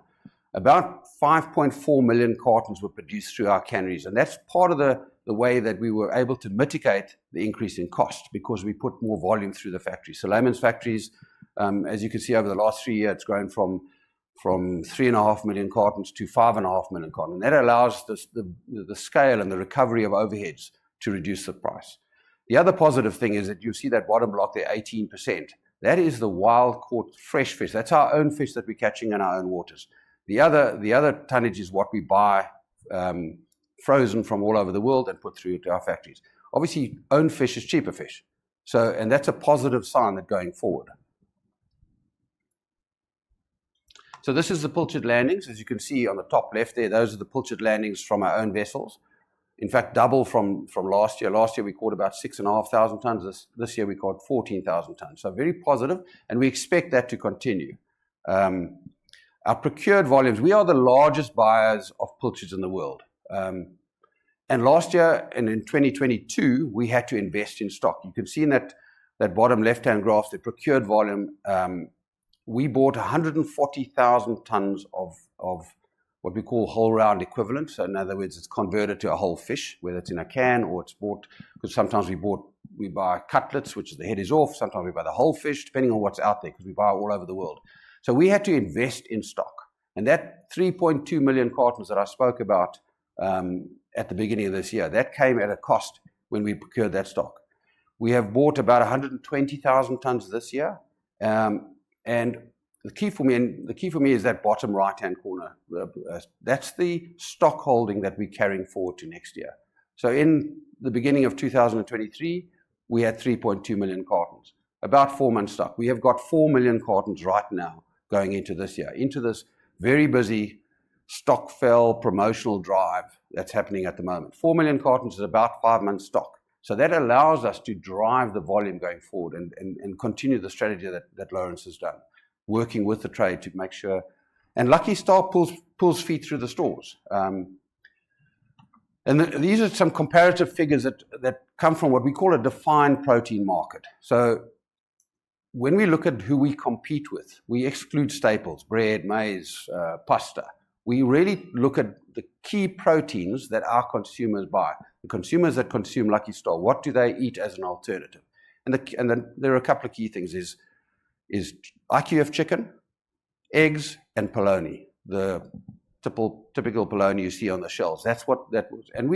B: About 5.4 million cartons were produced through our canneries, and that's part of the way that we were able to mitigate the increase in cost because we put more volume through the factory. So Layman's factories, as you can see, over the last three years, it's grown from 3.5 million cartons to 5.5 million cartons. And that allows the scale and the recovery of overheads to reduce the price. The other positive thing is that you see that bottom block there, 18%. That is the wild-caught fresh fish. That's our own fish that we're catching in our own waters. The other tonnage is what we buy frozen from all over the world and put through to our factories. Obviously, own fish is cheaper fish, so and that's a positive sign that going forward. So this is the pilchard landings. As you can see on the top left there, those are the pilchard landings from our own vessels. In fact, double from last year. Last year, we caught about 6,500 tons. This year, we caught 14,000 tons. So very positive, and we expect that to continue. Our procured volumes, we are the largest buyers of pilchards in the world, and last year, and in 2022, we had to invest in stock. You can see in that bottom left-hand graph, the procured volume, we bought 140,000 tons of what we call whole round equivalent. So in other words, it's converted to a whole fish, whether it's in a can or it's bought... Because sometimes we bought- we buy cutlets, which the head is off. Sometimes we buy the whole fish, depending on what's out there, because we buy all over the world. So we had to invest in stock, and that 3.2 million cartons that I spoke about at the beginning of this year, that came at a cost when we procured that stock. We have bought about 120,000 tons this year. And the key for me, and the key for me is that bottom right-hand corner. That's the stock holding that we're carrying forward to next year. So in the beginning of 2023, we had 3.2 million cartons, about four months' stock. We have got 4 million cartons right now going into this year, into this very busy stock-fill promotional drive that's happening at the moment. 4 million cartons is about five months' stock, so that allows us to drive the volume going forward and continue the strategy that Lawrence has done, working with the trade to make sure... And Lucky Star pulls feet through the stores. And then these are some comparative figures that come from what we call a defined protein market. So when we look at who we compete with, we exclude staples: bread, maize, pasta. We really look at the key proteins that our consumers buy. The consumers that consume Lucky Star, what do they eat as an alternative? And then there are a couple of key things: IQF chicken, eggs, and polony, the typical polony you see on the shelves. That's what that was. And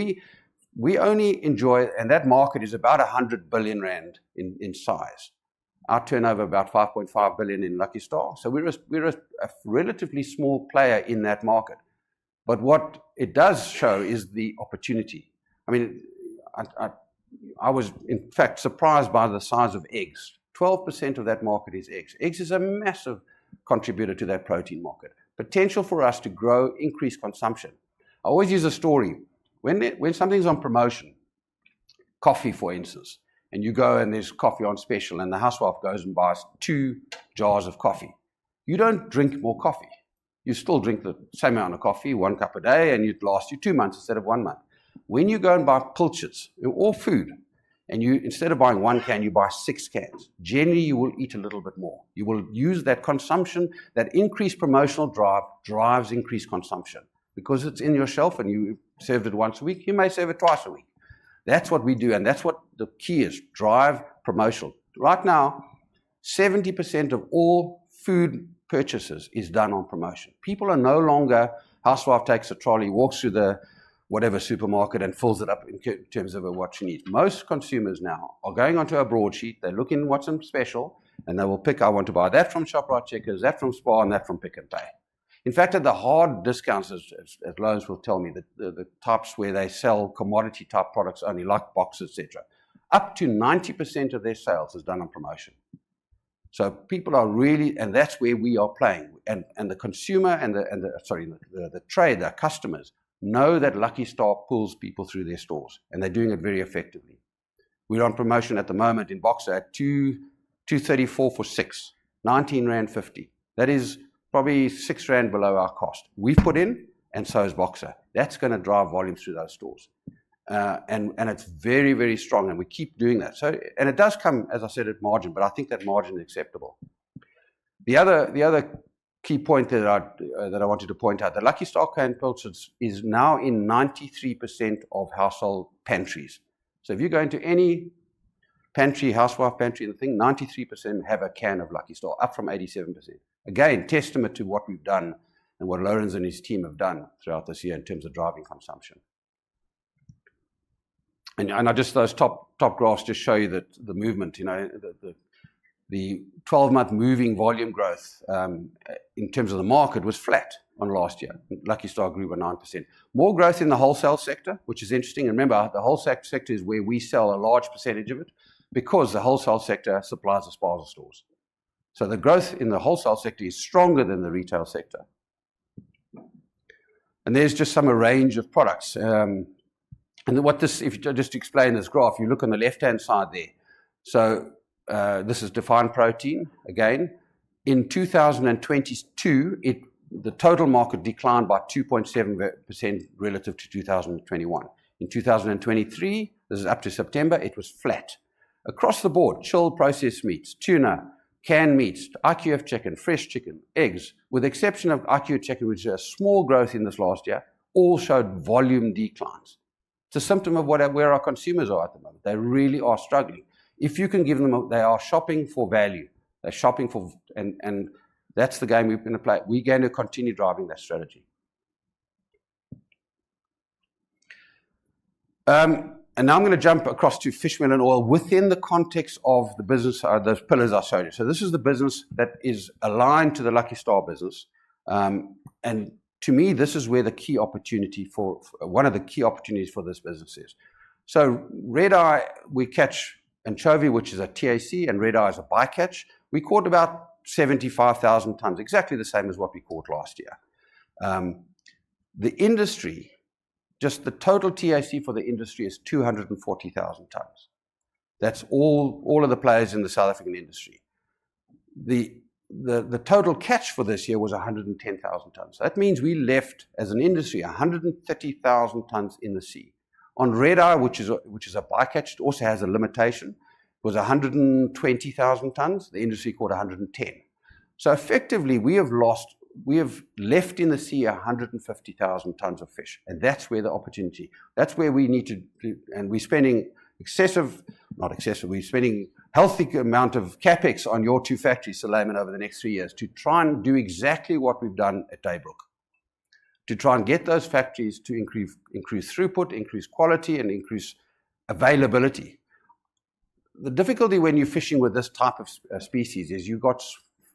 B: we only enjoy... That market is about 100 billion rand in size. Our turnover about 5.5 billion in Lucky Star. So we're a relatively small player in that market. But what it does show is the opportunity. I mean, I was, in fact, surprised by the size of eggs. 12% of that market is eggs. Eggs is a massive contributor to that protein market. Potential for us to grow, increase consumption. I always use a story. When something's on promotion, coffee, for instance, and you go and there's coffee on special, and the housewife goes and buys two jars of coffee, you don't drink more coffee. You still drink the same amount of coffee, one cup a day, and it lasts you two months instead of one month. When you go and buy pilchards or food, and you, instead of buying one can, you buy six cans, generally, you will eat a little bit more. You will use that consumption. That increased promotional drive drives increased consumption because it's in your shelf and you've saved it once a week, you may save it twice a week. That's what we do, and that's what the key is: drive promotional. Right now, 70% of all food purchases is done on promotion. People are no longer... housewife takes a trolley, walks through the whatever supermarket and fills it up in terms of what she needs. Most consumers now are going onto a broadsheet, they're looking what's on special, and they will pick, "I want to buy that from Shoprite Checkers, that from Spar, and that from Pick n Pay." In fact, at the hard discounters, as Laurens will tell me, the tops where they sell commodity-type products only, like boxes, et cetera, up to 90% of their sales is done on promotion. So people are really... And that's where we are playing. And the consumer and the trade, their customers know that Lucky Star pulls people through their stores, and they're doing it very effectively. We're on promotion at the moment in Boxer at 2, 2.34 for 6, 19.50 rand. That is probably 6 rand below our cost. We put in, and so is Boxer. That's gonna drive volume through those stores. And it's very, very strong, and we keep doing that. So, and it does come, as I said, at margin, but I think that margin is acceptable. The other key point that I wanted to point out, the Lucky Star Canned Pilchards is now in 93% of household pantries. So if you go into any pantry, housewife pantry, the thing, 93% have a can of Lucky Star, up from 87%. Again, testament to what we've done and what Lawrence and his team have done throughout this year in terms of driving consumption. And just those top, top graphs just show you that the movement, you know, the 12-month moving volume growth in terms of the market was flat on last year. Lucky Star grew by 9%. More growth in the wholesale sector, which is interesting. Remember, the wholesale sector is where we sell a large percentage of it because the wholesale sector supplies the Spar stores. So the growth in the wholesale sector is stronger than the retail sector. And there's just some range of products. And what this... If I just explain this graph, you look on the left-hand side there. So, this is defined protein, again. In 2022, it, the total market declined by 2.7% relative to 2021. In 2023, this is up to September, it was flat. Across the board, chilled processed meats, tuna, canned meats, IQF chicken, fresh chicken, eggs, with the exception of IQF chicken, which is a small growth in this last year, all showed volume declines. It's a symptom of where our consumers are at the moment. They really are struggling. If you can give them. They are shopping for value. They're shopping for... And that's the game we're gonna play. We're going to continue driving that strategy. And now I'm gonna jump across to fish meal and oil within the context of the business, those pillars I showed you. So this is the business that is aligned to the Lucky Star business. And to me, this is where the key opportunity for one of the key opportunities for this business is. So red eye, we catch anchovy, which is a TAC, and red eye is a bycatch. We caught about 75,000 tons, exactly the same as what we caught last year. The industry, just the total TAC for the industry is 240,000 tons. That's all of the players in the South African industry. The total catch for this year was 110,000 tons. That means we left, as an industry, 130,000 tons in the sea. On red eye, which is a bycatch, it also has a limitation, was 120,000 tons. The industry caught 110. So effectively, we have lost - we have left in the sea 150,000 tons of fish, and that's where the opportunity... That's where we need to d - And we're spending excessive... not excessive, we're spending healthy amount of CapEx on your two factories, Solaiman, over the next three years, to try and do exactly what we've done at Daybrook. To try and get those factories to increase, increase throughput, increase quality, and increase availability. The difficulty when you're fishing with this type of species is you've got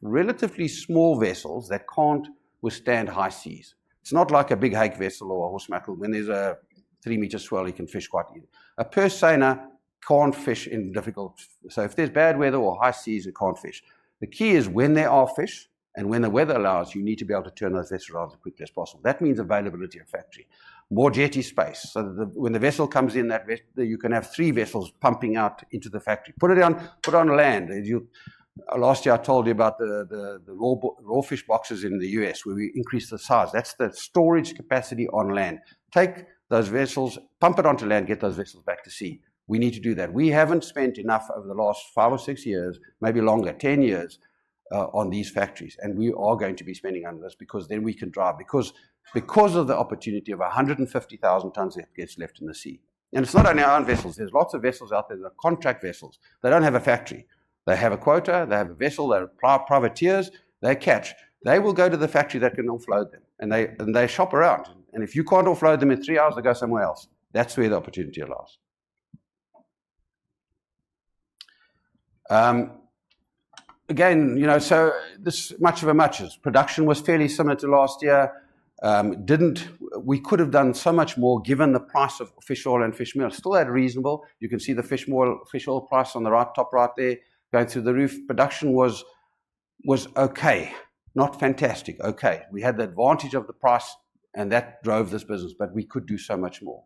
B: relatively small vessels that can't withstand high seas. It's not like a big hake vessel or a horse mackerel. When there's a 3 m swell, you can fish quite in. A purse seiner can't fish in difficult. So if there's bad weather or high seas, it can't fish. The key is when there are fish and when the weather allows, you need to be able to turn those vessels around as quickly as possible. That means availability of factory, more jetty space, so that when the vessel comes in, that vessel you can have three vessels pumping out into the factory. Put it on, put on land. As you. Last year, I told you about the raw fish boxes in the U.S., where we increased the size. That's the storage capacity on land. Take those vessels, pump it onto land, get those vessels back to sea. We need to do that. We haven't spent enough over the last 5 or 6 years, maybe longer, 10 years, on these factories, and we are going to be spending on this because then we can drive. Because, because of the opportunity of 100,000 tons that gets left in the sea. And it's not only our own vessels, there's lots of vessels out there that are contract vessels. They don't have a factory. They have a quota, they have a vessel, they're privateers, they catch. They will go to the factory that can offload them, and they, and they shop around. And if you can't offload them in 3 hours, they go somewhere else. That's where the opportunity lies. Again, you know, so as much production was fairly similar to last year. We could have done so much more given the price of fish oil and fish meal. Still had reasonable. You can see the fish oil price in the top right there, going through the roof. Production was okay. Not fantastic, okay. We had the advantage of the price, and that drove this business, but we could do so much more.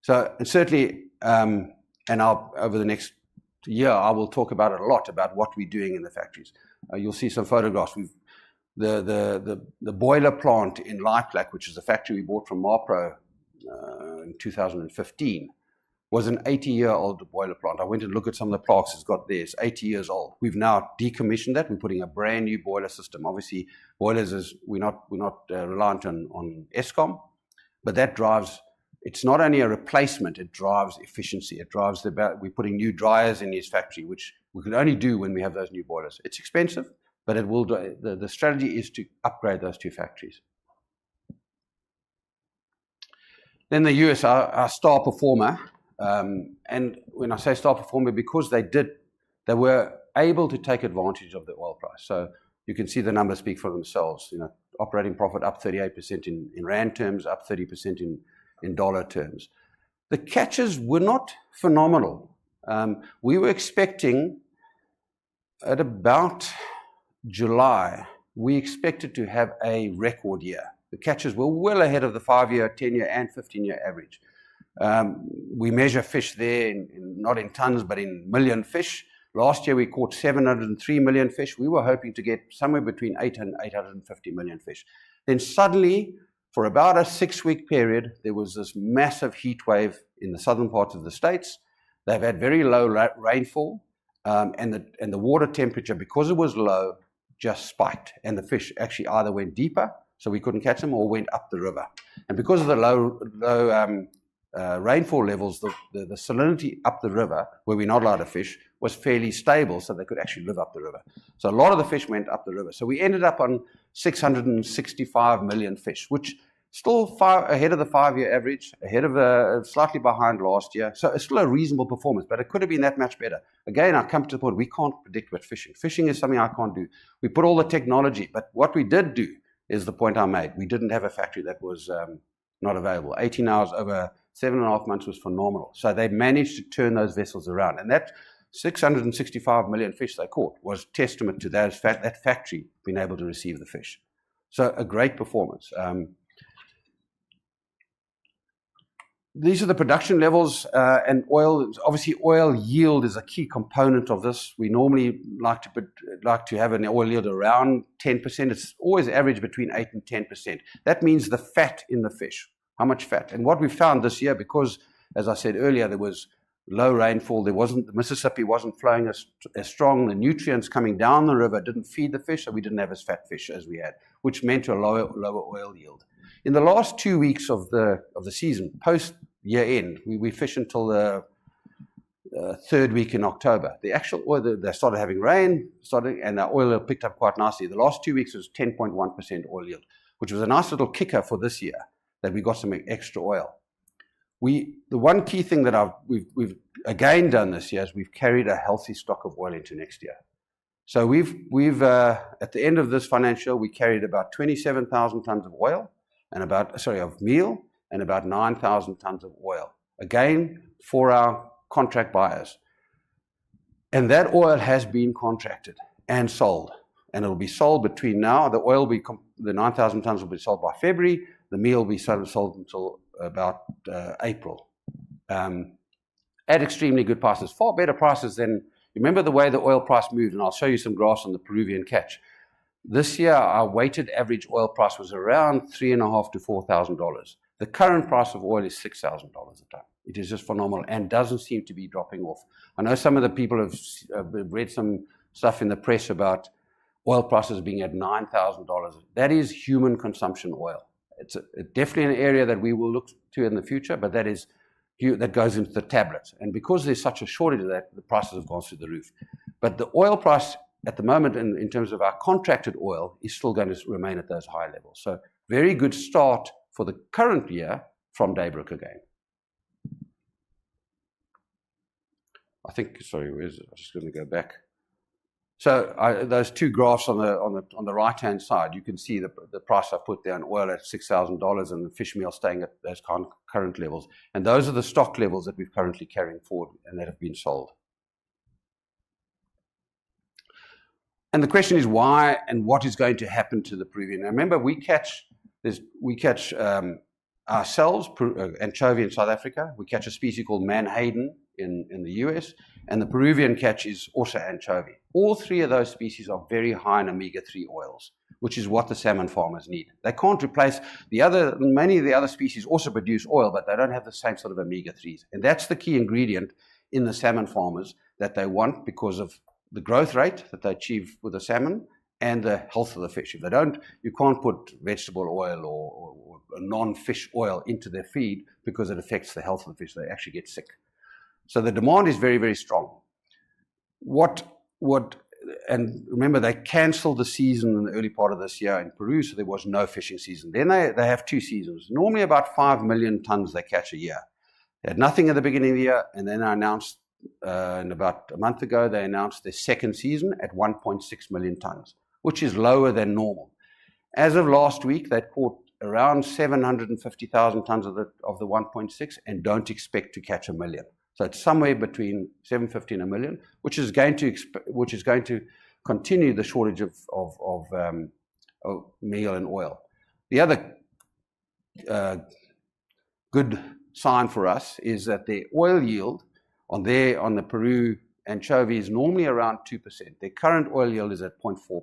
B: So and certainly, and I'll... Over the next year, I will talk about it a lot, about what we're doing in the factories. You'll see some photographs. We've the boiler plant in Laaiplek, which is a factory we bought from Marpro in 2015, was an 80-year-old boiler plant. I went to look at some of the parts, it's got this, 80 years old. We've now decommissioned that and putting a brand-new boiler system. Obviously, boilers is, we're not, we're not reliant on Eskom, but that drives... It's not only a replacement, it drives efficiency, it drives the belt. We're putting new dryers in this factory, which we can only do when we have those new boilers. It's expensive, but it will do... The strategy is to upgrade those two factories. Then the US, our star performer, and when I say star performer, because they did, they were able to take advantage of the oil price. So you can see the numbers speak for themselves, you know, operating profit up 38% in rand terms, up 30% in dollar terms. The catches were not phenomenal. We were expecting, at about July, we expected to have a record year. The catches were well ahead of the 5-year, 10-year, and 15-year average. We measure fish there not in tons, but in million fish. Last year, we caught 703 million fish. We were hoping to get somewhere between 800 and 850 million fish. Then suddenly, for about a 6-week period, there was this massive heat wave in the southern parts of the States. They've had very low rainfall, and the water temperature, because it was low, just spiked, and the fish actually either went deeper, so we couldn't catch them, or went up the river. And because of the low, low, rainfall levels, the salinity up the river, where we're not allowed to fish, was fairly stable, so they could actually live up the river. So a lot of the fish went up the river. So we ended up on 665 million fish, which still far ahead of the five-year average, ahead of, slightly behind last year. So it's still a reasonable performance, but it could have been that much better. Again, I've come to the point, we can't predict what fishing... Fishing is something I can't do. We put all the technology, but what we did do is the point I made. We didn't have a factory that was, not available. 18 hours over seven and a half months was phenomenal. So they managed to turn those vessels around, and that 665 million fish they caught was testament to that fact, that factory being able to receive the fish. So a great performance. These are the production levels and oil. Obviously, oil yield is a key component of this. We normally like to put, like to have an oil yield around 10%. It's always averaged between 8% and 10%. That means the fat in the fish, how much fat? And what we found this year, because, as I said earlier, there was low rainfall, there wasn't, the Mississippi wasn't flowing as strong. The nutrients coming down the river didn't feed the fish, so we didn't have as fat fish as we had, which meant a lower oil yield. In the last two weeks of the season, post year-end, we fish until the third week in October. The actual oil, they started having rain, started, and the oil picked up quite nicely. The last two weeks was 10.1% oil yield, which was a nice little kicker for this year, that we got some extra oil. The one key thing that we've again done this year is we've carried a healthy stock of oil into next year. So we've at the end of this financial, we carried about 27,000 tons of oil and about... Sorry, of meal, and about 9,000 tons of oil, again, for our contract buyers. That oil has been contracted and sold, and it will be sold between now. The oil will be the 9,000 tons will be sold by February. The meal will be sold until about April at extremely good prices. Far better prices than... Remember the way the oil price moved, and I'll show you some graphs on the Peruvian catch. This year, our weighted average oil price was around $3,500-$4,000. The current price of oil is $6,000 a ton. It is just phenomenal and doesn't seem to be dropping off. I know some of the people have read some stuff in the press about oil prices being at $9,000. That is human consumption oil. It's definitely an area that we will look to in the future, but that is that goes into the tablets. And because there's such a shortage of that, the prices have gone through the roof. But the oil price at the moment, in, in terms of our contracted oil, is still going to remain at those high levels. So very good start for the current year from Daybrook again. I think... Sorry, where is it? I'm just going to go back. So I... Those two graphs on the, on the, on the right-hand side, you can see the, the price I put down, oil at $6,000, and the fish meal staying at those current, current levels. And those are the stock levels that we're currently carrying forward and that have been sold. And the question is why and what is going to happen to the Peruvian? Now, remember, we catch ourselves anchovy in South Africa, we catch a species called menhaden in the U.S., and the Peruvian catch is also anchovy. All three of those species are very high in Omega-3 oils, which is what the salmon farmers need. They can't replace the other... Many of the other species also produce oil, but they don't have the same sort of Omega-3s, and that's the key ingredient in the salmon farmers that they want because of the growth rate that they achieve with the salmon and the health of the fish. If they don't, you can't put vegetable oil or, or, or a non-fish oil into their feed because it affects the health of the fish. They actually get sick. So the demand is very, very strong. What, what-... And remember, they canceled the season in the early part of this year in Peru, so there was no fishing season. Then they, they have two seasons. Normally, about 5 million tons they catch a year. They had nothing at the beginning of the year, and then they announced, in about a month ago, they announced the second season at 1.6 million tons, which is lower than normal. As of last week, they'd caught around 750,000 tons of the, of the 1.6, and don't expect to catch 1 million. So it's somewhere between 750 and 1 million, which is going to continue the shortage of, of, of, of meal and oil. The other good sign for us is that the oil yield on there, on the Peru anchovy, is normally around 2%. Their current oil yield is at 0.4%,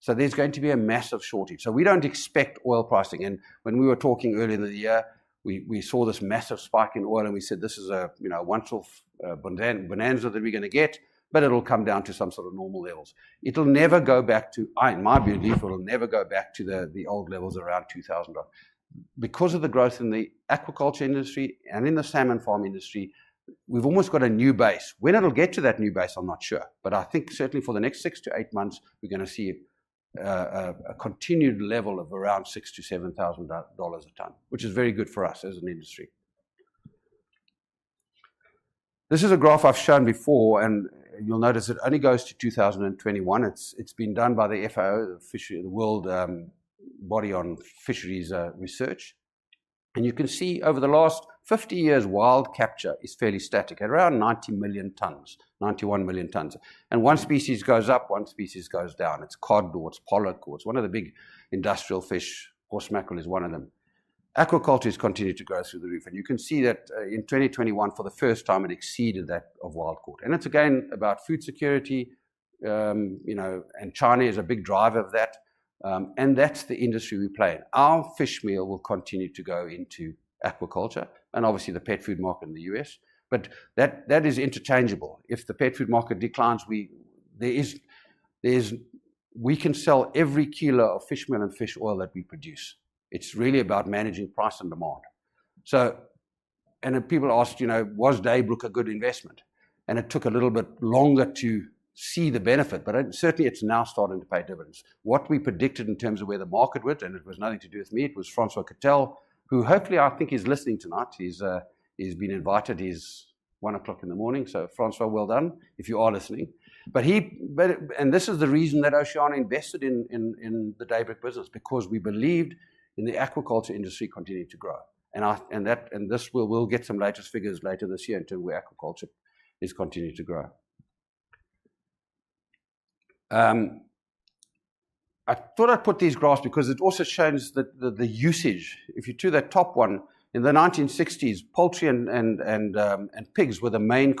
B: so there's going to be a massive shortage. So we don't expect oil pricing in... When we were talking earlier in the year, we, we saw this massive spike in oil, and we said, "This is a, you know, once-off bonanza that we're gonna get, but it'll come down to some sort of normal levels." It'll never go back to... In my belief, it'll never go back to the, the old levels around $2,000. Because of the growth in the aquaculture industry and in the salmon farm industry, we've almost got a new base. When it'll get to that new base, I'm not sure, but I think certainly for the next 6-8 months, we're gonna see a continued level of around $6,000-$7,000 a ton, which is very good for us as an industry. This is a graph I've shown before, and you'll notice it only goes to 2021. It's been done by the FAO, the UN, the world body on fisheries research. And you can see over the last 50 years, wild capture is fairly static, around 90 million tons, 91 million tons. And one species goes up, one species goes down. It's cod boards, pollock boards. One of the big industrial fish, horse mackerel is one of them. Aquaculture has continued to grow through the roof, and you can see that in 2021, for the first time, it exceeded that of wild caught. And it's again about food security, you know, and China is a big driver of that, and that's the industry we play in. Our fish meal will continue to go into aquaculture and obviously the pet food market in the U.S., but that, that is interchangeable. If the pet food market declines, we can sell every kilo of fish meal and fish oil that we produce. It's really about managing price and demand. So, and then people ask, you know, "Was Daybrook a good investment?" And it took a little bit longer to see the benefit, but certainly it's now starting to pay dividends. What we predicted in terms of where the market went, and it was nothing to do with me, it was Francois Kuttel, who hopefully I think is listening tonight. He's, he's been invited. It's 1:00 A.M., so, Francois, well done if you are listening. But he... But, and this is the reason that Oceana invested in, in, in the Daybrook business, because we believed in the aquaculture industry continuing to grow. And that, and this, we'll, we'll get some latest figures later this year into where aquaculture is continuing to grow. I thought I'd put these graphs because it also shows the, the, the usage. If you look to that top one, in the 1960s, poultry and, and, and, and pigs were the main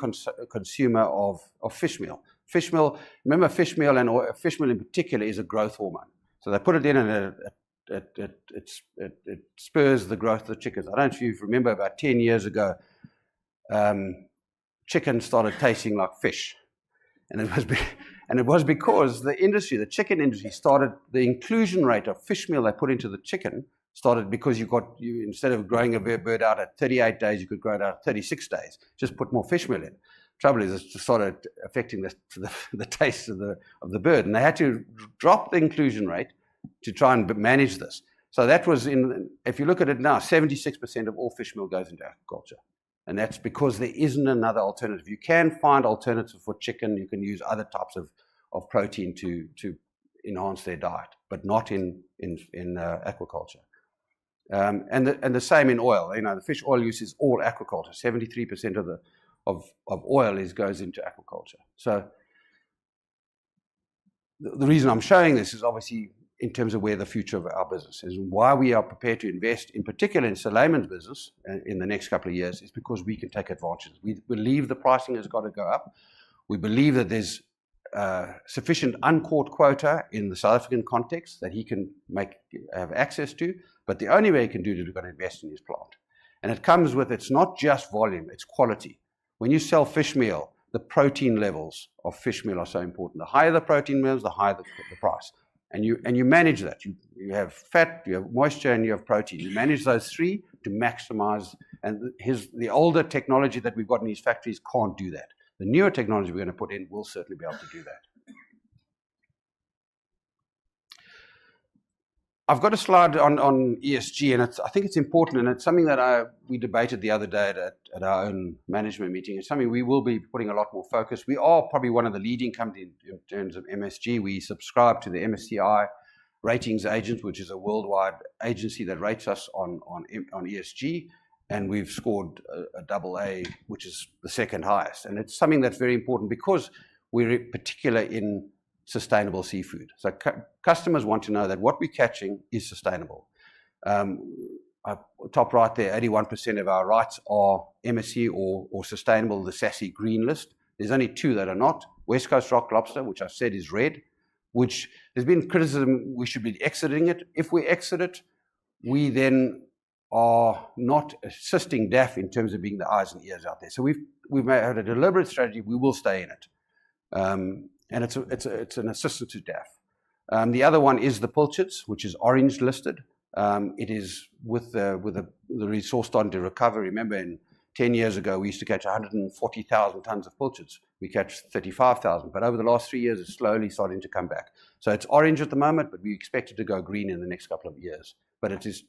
B: consumer of, of fish meal. Fish meal... Remember, fish meal and oil, fish meal in particular, is a growth hormone. So they put it in, and it spurs the growth of the chickens. I don't know if you remember, about 10 years ago, chicken started tasting like fish, and it was because the industry, the chicken industry, started the inclusion rate of fish meal they put into the chicken started. Because you've got, instead of growing a bird out at 38 days, you could grow it out at 36 days, just put more fish meal in. Trouble is, it started affecting the taste of the bird, and they had to drop the inclusion rate to try and manage this. So that was in... If you look at it now, 76% of all fish meal goes into aquaculture, and that's because there isn't another alternative. You can find alternative for chicken. You can use other types of protein to enhance their diet, but not in aquaculture. And the same in oil. You know, the fish oil use is all aquaculture. 73% of the oil goes into aquaculture. So the reason I'm showing this is obviously in terms of where the future of our business is. And why we are prepared to invest, in particular in Solaiman's business in the next couple of years, is because we can take advantage. We believe the pricing has got to go up. We believe that there's sufficient uncaught quota in the South African context that he can make have access to, but the only way he can do it, we've got to invest in his plant. And it comes with... It's not just volume, it's quality. When you sell fish meal, the protein levels of fish meal are so important. The higher the protein levels, the higher the price, and you manage that. You have fat, you have moisture, and you have protein. You manage those three to maximize... And his the older technology that we've got in his factories can't do that. The newer technology we're gonna put in will certainly be able to do that. I've got a slide on ESG, and it's... I think it's important, and it's something that I, we debated the other day at a, at our own management meeting, and something we will be putting a lot more focus. We are probably one of the leading companies in terms of ESG. We subscribe to the MSCI ratings agency, which is a worldwide agency that rates us on, on, on ESG, and we've scored a, a double A, which is the second highest. It's something that's very important because we're particular in sustainable seafood, so customers want to know that what we're catching is sustainable. Top right there, 81% of our rights are MSC or sustainable, the SASSI green list. There's only two that are not, West Coast rock lobster, which I've said is red, which there's been criticism we should be exiting it. If we exit it, we then are not assisting DAFF in terms of being the eyes and ears out there. So we've made out a deliberate strategy. We will stay in it. And it's an assistance to DAFF. The other one is the pilchards, which is orange listed. It is with the resource starting to recover. Remember, ten years ago, we used to catch 140,000 tons of pilchards. We catch 35,000, but over the last three years, it's slowly starting to come back. So it's orange at the moment, but we expect it to go green in the next couple of years. But it is,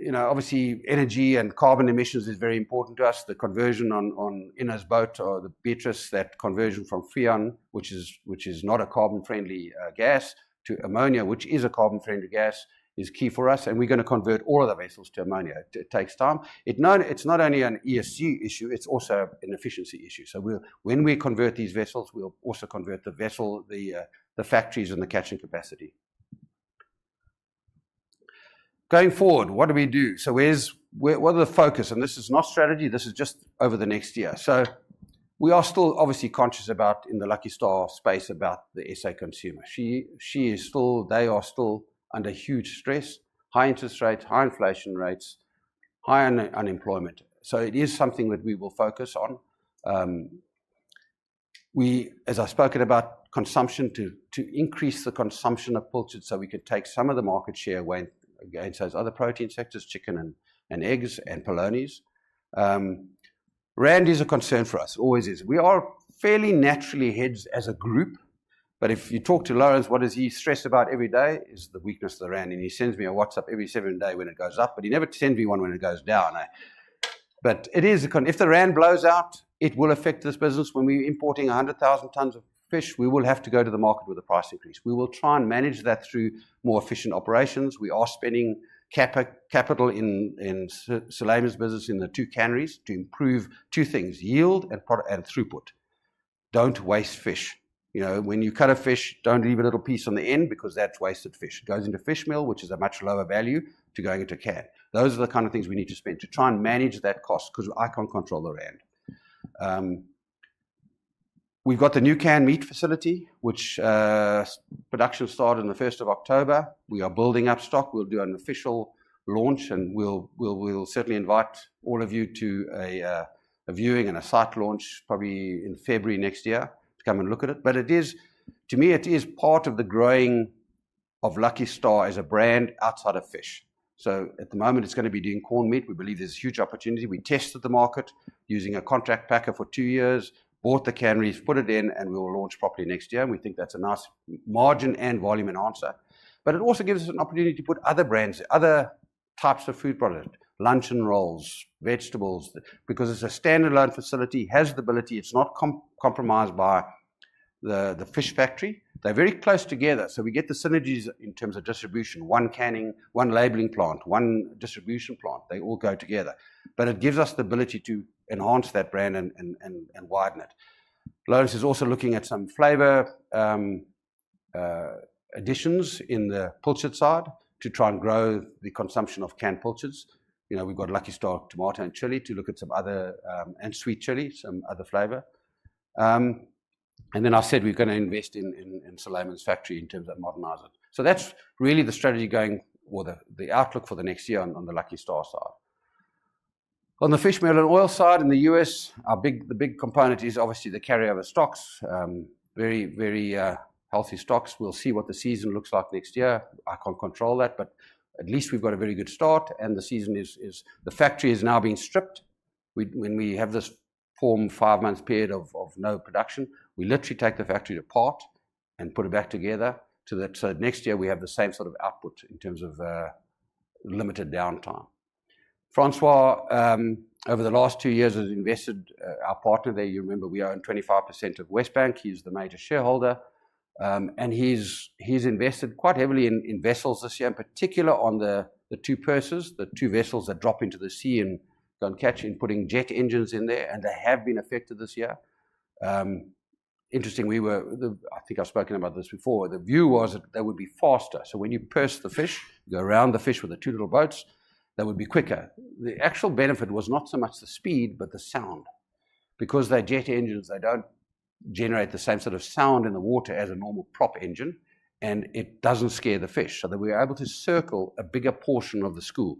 B: you know, obviously, energy and carbon emissions is very important to us. The conversion on Innes' boat or the Beatrice, that conversion from Freon, which is not a carbon-friendly gas, to ammonia, which is a carbon-friendly gas, is key for us, and we're gonna convert all of the vessels to ammonia. It takes time. It's not only an ESG issue, it's also an efficiency issue. So we'll... When we convert these vessels, we'll also convert the vessels, the factories and the catching capacity. Going forward, what do we do? So where, what are the focus? And this is not strategy, this is just over the next year. So we are still obviously conscious about, in the Lucky Star space, about the SA consumer. She is still, they are still under huge stress, high interest rates, high inflation rates, high unemployment. So it is something that we will focus on. As I've spoken about consumption, to increase the consumption of pilchards so we can take some of the market share away against those other protein sectors, chicken and eggs and polonies. Rand is a concern for us, always is. We are fairly naturally hedged as a group, but if you talk to Lawrence, what does he stress about every day? Is the weakness of the rand, and he sends me a WhatsApp every single day when it goes up, but he never sends me one when it goes down. But it is a concern if the rand blows out, it will affect this business. When we're importing 100,000 tons of fish, we will have to go to the market with a price increase. We will try and manage that through more efficient operations. We are spending capital in smoked salmon's business in the two canneries to improve two things: yield and throughput. Don't waste fish. You know, when you cut a fish, don't leave a little piece on the end because that's wasted fish. It goes into fish meal, which is a much lower value to going into a can. Those are the kind of things we need to spend to try and manage that cost, cause I can't control the rand. We've got the new canned meat facility, which production started on the 1 October. We are building up stock. We'll do an official launch, and we'll certainly invite all of you to a viewing and a site launch, probably in February next year, to come and look at it. But it is, to me, it is part of the growing of Lucky Star as a brand outside of fish. So at the moment, it's gonna be doing corned meat. We believe there's a huge opportunity. We tested the market using a contract packer for two years, bought the canneries, put it in, and we will launch properly next year, and we think that's a nice margin and volume enhancer. But it also gives us an opportunity to put other brands, other types of food product, luncheon rolls, vegetables, because it's a standalone facility, it has the ability, it's not compromised by the fish factory. They're very close together, so we get the synergies in terms of distribution, one canning, one labeling plant, one distribution plant. They all go together. But it gives us the ability to enhance that brand and widen it. Lawrence is also looking at some flavor additions in the pilchard side to try and grow the consumption of canned pilchards. You know, we've got Lucky Star tomato and chili to look at some other and sweet chili, some other flavor. And then I said we're gonna invest in Saldanha's factory in terms of modernizing. So that's really the strategy going or the outlook for the next year on the Lucky Star side. On the fish meal and oil side, in the US, the big component is obviously the carryover stocks. Very, very healthy stocks. We'll see what the season looks like next year. I can't control that, but at least we've got a very good start, and the season is the factory is now being stripped. We, when we have this four-month period of no production, we literally take the factory apart and put it back together so that next year we have the same sort of output in terms of limited downtime. Francois, over the last two years, has invested our partner there, you remember, we own 25% of Westbank. He's the major shareholder, and he's invested quite heavily in vessels this year, in particular on the two purse seiners, the two vessels that drop into the sea and go and catch and putting jet engines in there, and they have been affected this year. Interestingly, I think I've spoken about this before. The view was that they would be faster, so when you purse the fish, you go around the fish with the two little boats, they would be quicker. The actual benefit was not so much the speed, but the sound. Because they're jet engines, they don't generate the same sort of sound in the water as a normal prop engine, and it doesn't scare the fish, so then we are able to circle a bigger portion of the school.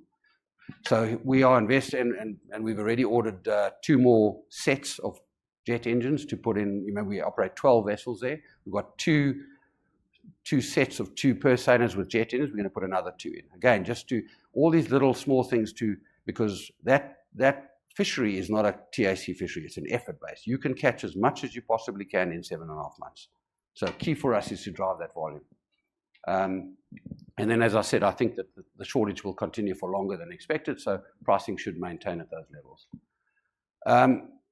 B: So we are investing, and we've already ordered two more sets of jet engines to put in. Remember, we operate 12 vessels there. We've got two sets of two purse seiners with jet engines. We're gonna put another two in. Again, just to all these little small things to because that fishery is not a TAC fishery, it's an effort base. You can catch as much as you possibly can in 7.5 months. So key for us is to drive that volume. And then, as I said, I think that the shortage will continue for longer than expected, so pricing should maintain at those levels.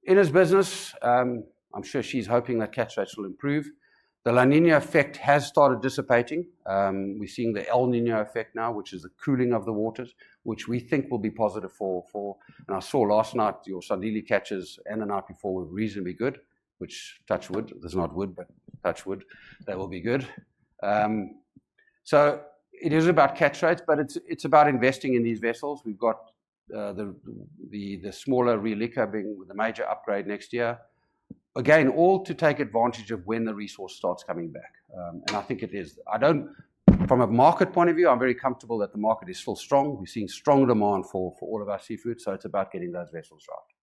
B: In his business, I'm sure she's hoping that catch rates will improve. The La Niña effect has started dissipating. We're seeing the El Niño effect now, which is the cooling of the waters, which we think will be positive for, for... And I saw last night, your Sandile catches and the night before were reasonably good, which, touch wood, there's not wood, but touch wood, they will be good. So it is about catch rates, but it's about investing in these vessels. We've got the smaller Relika being the major upgrade next year. Again, all to take advantage of when the resource starts coming back, and I think it is. From a market point of view, I'm very comfortable that the market is still strong. We're seeing strong demand for, for all of our seafood, so it's about getting those vessels right...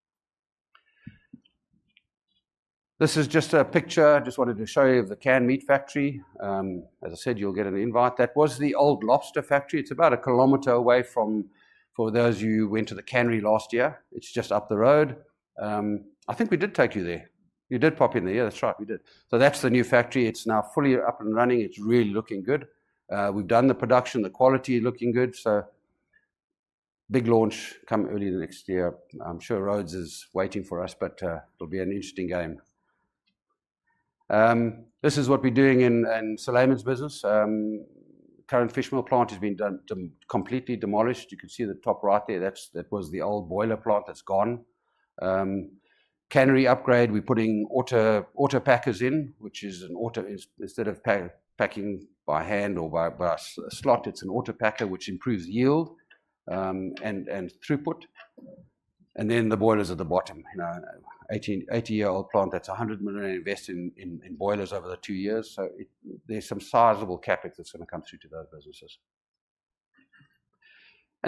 B: This is just a picture, I just wanted to show you of the canned meat factory. As I said, you'll get an invite. That was the old lobster factory. It's about a kilometer away from, for those of you who went to the cannery last year, it's just up the road. I think we did take you there. We did pop in there. Yeah, that's right, we did. So that's the new factory. It's now fully up and running. It's really looking good. We've done the production, the quality looking good, so big launch coming early next year. I'm sure Rhodes is waiting for us, but, it'll be an interesting game. This is what we're doing in Sulaiman's business. Current fishmeal plant has been completely demolished. You can see the top right there, that's, that was the old boiler plant that's gone. Cannery upgrade, we're putting auto packers in, which is an auto packer. Instead of packing by hand or by a slot, it's an auto packer, which improves yield and throughput, and then the boilers at the bottom. You know, 1880-year-old plant, that's 100 million invested in boilers over the two years, so there's some sizable CapEx that's gonna come through to those businesses.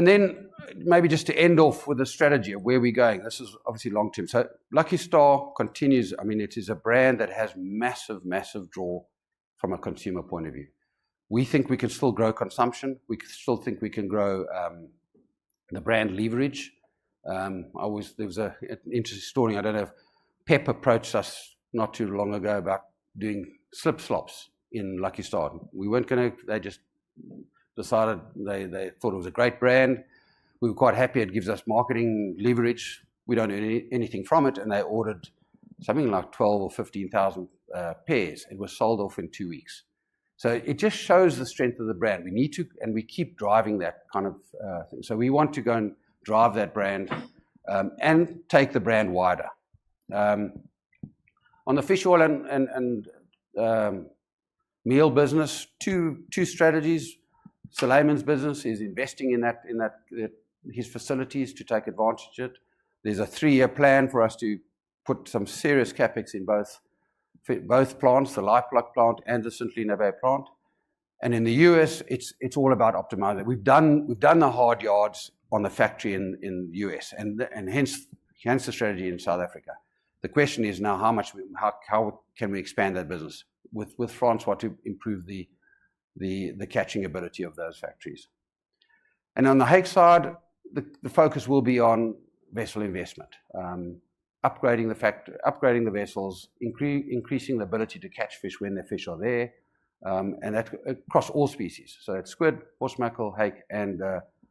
B: Then maybe just to end off with a strategy of where we're going, this is obviously long term. So Lucky Star continues. I mean, it is a brand that has massive, massive draw from a consumer point of view. We think we can still grow consumption. We still think we can grow the brand leverage. Always there was a an interesting story I don't know if... Pep approached us not too long ago about doing slip slops in Lucky Star. We weren't gonna... They just decided they thought it was a great brand. We were quite happy. It gives us marketing leverage. We don't earn anything from it, and they ordered something like 12 or 15 thousand pairs. It was sold off in two weeks. So it just shows the strength of the brand. We need to... And we keep driving that kind of thing. So we want to go and drive that brand and take the brand wider. On the fish oil and meal business, two strategies. Sulaiman's business is investing in that, in that, his facilities to take advantage of it. There's a three-year plan for us to put some serious CapEx in both plants, the Laaiplek plant and the St Helena Bay plant. And in the U.S., it's, it's all about optimizing. We've done, we've done the hard yards on the factory in, in the U.S., and hence, hence the strategy in South Africa. The question is now, how much we... How, how can we expand that business with, with Francois to improve the, the, the catching ability of those factories? And on the hake side, the, the focus will be on vessel investment. Upgrading the vessels, increasing the ability to catch fish when the fish are there, and that across all species, so it's squid, horse mackerel, hake, and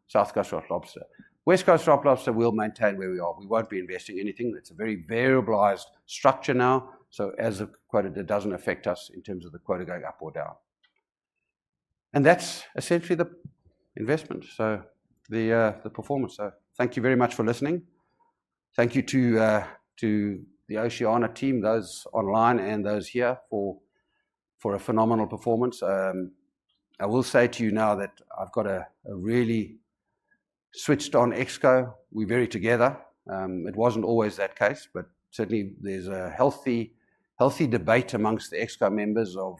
B: South Coast rock lobster. West Coast rock lobster, we'll maintain where we are. We won't be investing anything. It's a very variabilized structure now, so as a quota, it doesn't affect us in terms of the quota going up or down. And that's essentially the investment, so the performance. So thank you very much for listening. Thank you to the Oceana team, those online and those here, for a phenomenal performance. I will say to you now that I've got a really switched on ExCo. We're very together. It wasn't always that case, but certainly there's a healthy, healthy debate among the ExCo members of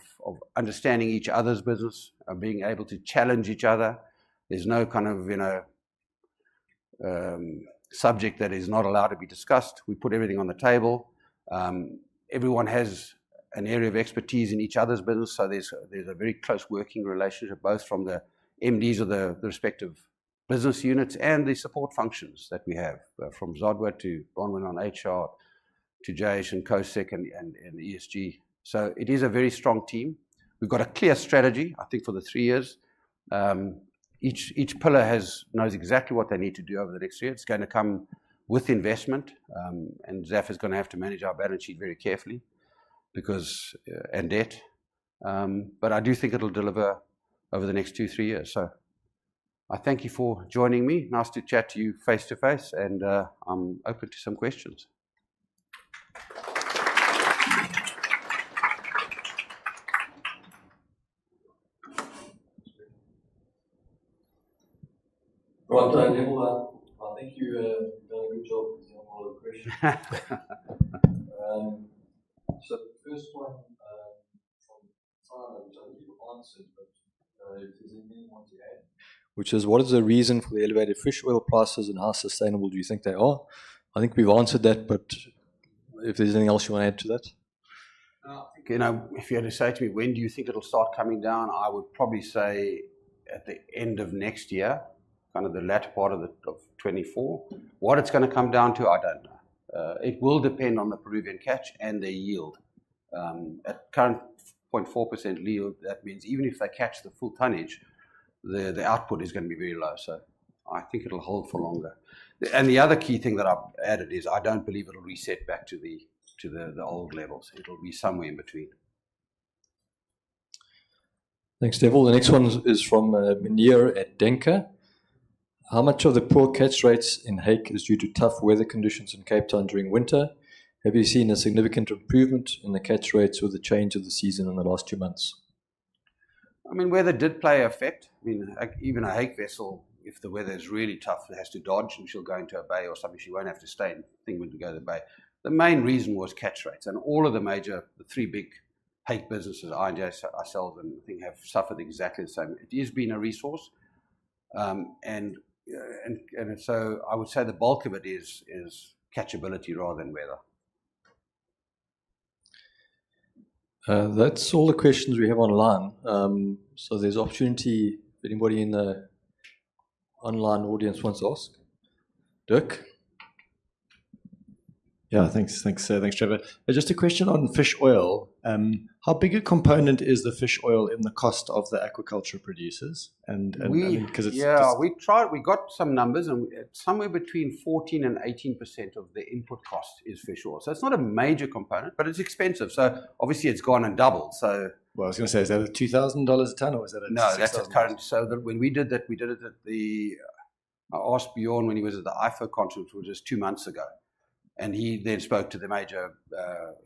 B: understanding each other's business and being able to challenge each other. There's no kind of, you know, subject that is not allowed to be discussed. We put everything on the table. Everyone has an area of expertise in each other's business, so there's a very close working relationship, both from the MDs of the respective business units and the support functions that we have, from Zodwa to Bronwynne on HR, to Jayesh and COSEC, and ESG. So it is a very strong team. We've got a clear strategy, I think, for the three years. Each pillar knows exactly what they need to do over the next year. It's gonna come with investment, and Zaf is gonna have to manage our balance sheet very carefully because and debt. But I do think it'll deliver over the next 2, 3 years. So I thank you for joining me. Nice to chat to you face to face, and I'm open to some questions.
D: Right. Neville, I think you done a good job because you have a lot of questions. So first one from Simon, which I think you've answered, but is there anyone to add? Which is: What is the reason for the elevated fish oil prices, and how sustainable do you think they are? I think we've answered that, but if there's anything else you want to add to that.
B: You know, if you had to say to me, "When do you think it'll start coming down?" I would probably say at the end of next year, kind of the latter part of 2024. What it's gonna come down to, I don't know. It will depend on the Peruvian catch and the yield. At current 0.4% yield, that means even if they catch the full tonnage, the output is gonna be very low, so I think it'll hold for longer. And the other key thing that I've added is, I don't believe it'll reset back to the old levels. It'll be somewhere in between.
D: Thanks, Neville. The next one is from Munier at Denker: How much of the poor catch rates in hake is due to tough weather conditions in Cape Town during winter? Have you seen a significant improvement in the catch rates with the change of the season in the last two months?
B: I mean, weather did play an effect. I mean, like, even a hake vessel, if the weather is really tough, it has to dodge, and she'll go into a bay or something. She won't have to stay in... I think we can go to the bay. The main reason was catch rates, and all of the major, the three big hake businesses, I&J, ourselves, and I think have suffered exactly the same. It has been a resource, and so I would say the bulk of it is catchability rather than weather.
D: That's all the questions we have online. So there's opportunity if anybody in the online audience wants to ask. Dirk?
E: Yeah, thanks. Thanks, thanks, Trevor. Just a question on fish oil. How big a component is the fish oil in the cost of the aquaculture producers? I mean, because it's-
B: Yeah, we tried - we got some numbers, and it's somewhere between 14% and 18% of the input cost is fish oil. So it's not a major component, but it's expensive, so obviously it's gone and doubled. So-
E: Well, I was gonna say, is that $2,000 a ton, or is that a $600-
B: No, that's just current. So when we did that, we did it at the... I asked Bjorn when he was at the IFFO conference, which was two months ago, and he then spoke to the major,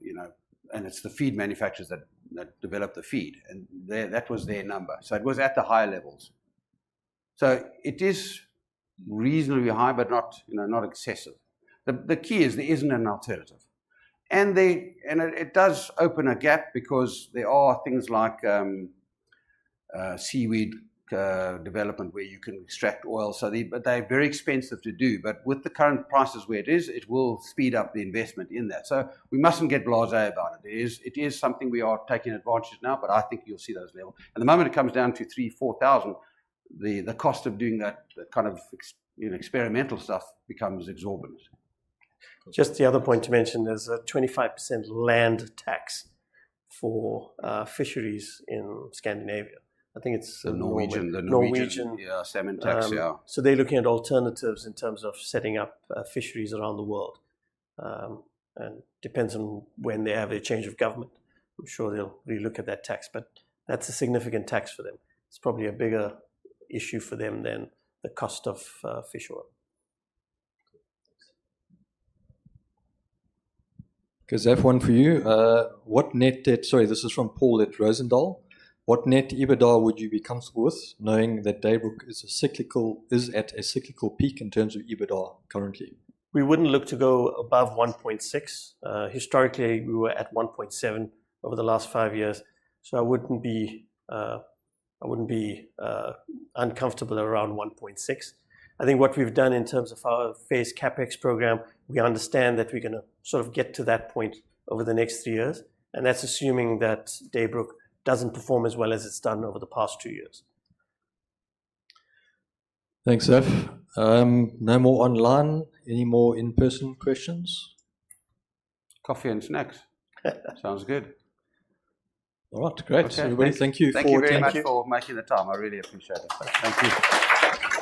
B: you know, and it's the feed manufacturers that develop the feed, and that was their number. So it was at the higher levels. So it is reasonably high, but not, you know, not excessive. The key is there isn't an alternative. And they and it does open a gap because there are things like seaweed development, where you can extract oil, so they... But they're very expensive to do. But with the current prices where it is, it will speed up the investment in that. So we mustn't get blasé about it. It is, it is something we are taking advantage of now, but I think you'll see those levels. The moment it comes down to 3,000-4,000, the cost of doing that kind of, you know, experimental stuff becomes exorbitant.
C: Just the other point to mention, there's a 25% land tax for fisheries in Scandinavia. I think it's-
B: The Norwegian.
C: Norwegian.
B: The Norwegian, yeah, salmon tax, yeah.
C: So they're looking at alternatives in terms of setting up fisheries around the world. Depends on when they have a change of government. I'm sure they'll relook at that tax, but that's a significant tax for them. It's probably a bigger issue for them than the cost of fish oil.
E: Okay, thanks.
D: Because I have one for you. What net debt... Sorry, this is from Paul at Rozendal. What net EBITDA would you be comfortable with, knowing that Daybrook is at a cyclical peak in terms of EBITDA currently?
C: We wouldn't look to go above 1.6. Historically, we were at 1.7 over the last five years, so I wouldn't be uncomfortable around 1.6. I think what we've done in terms of our phase CapEx program, we understand that we're gonna sort of get to that point over the next three years, and that's assuming that Daybrook doesn't perform as well as it's done over the past two years.
D: Thanks, Ef. No more online? Any more in-person questions?
B: Coffee and snacks. Sounds good.
D: All right, great. Everybody, thank you for-
B: Thank you very much for making the time. I really appreciate it.
D: Thank you.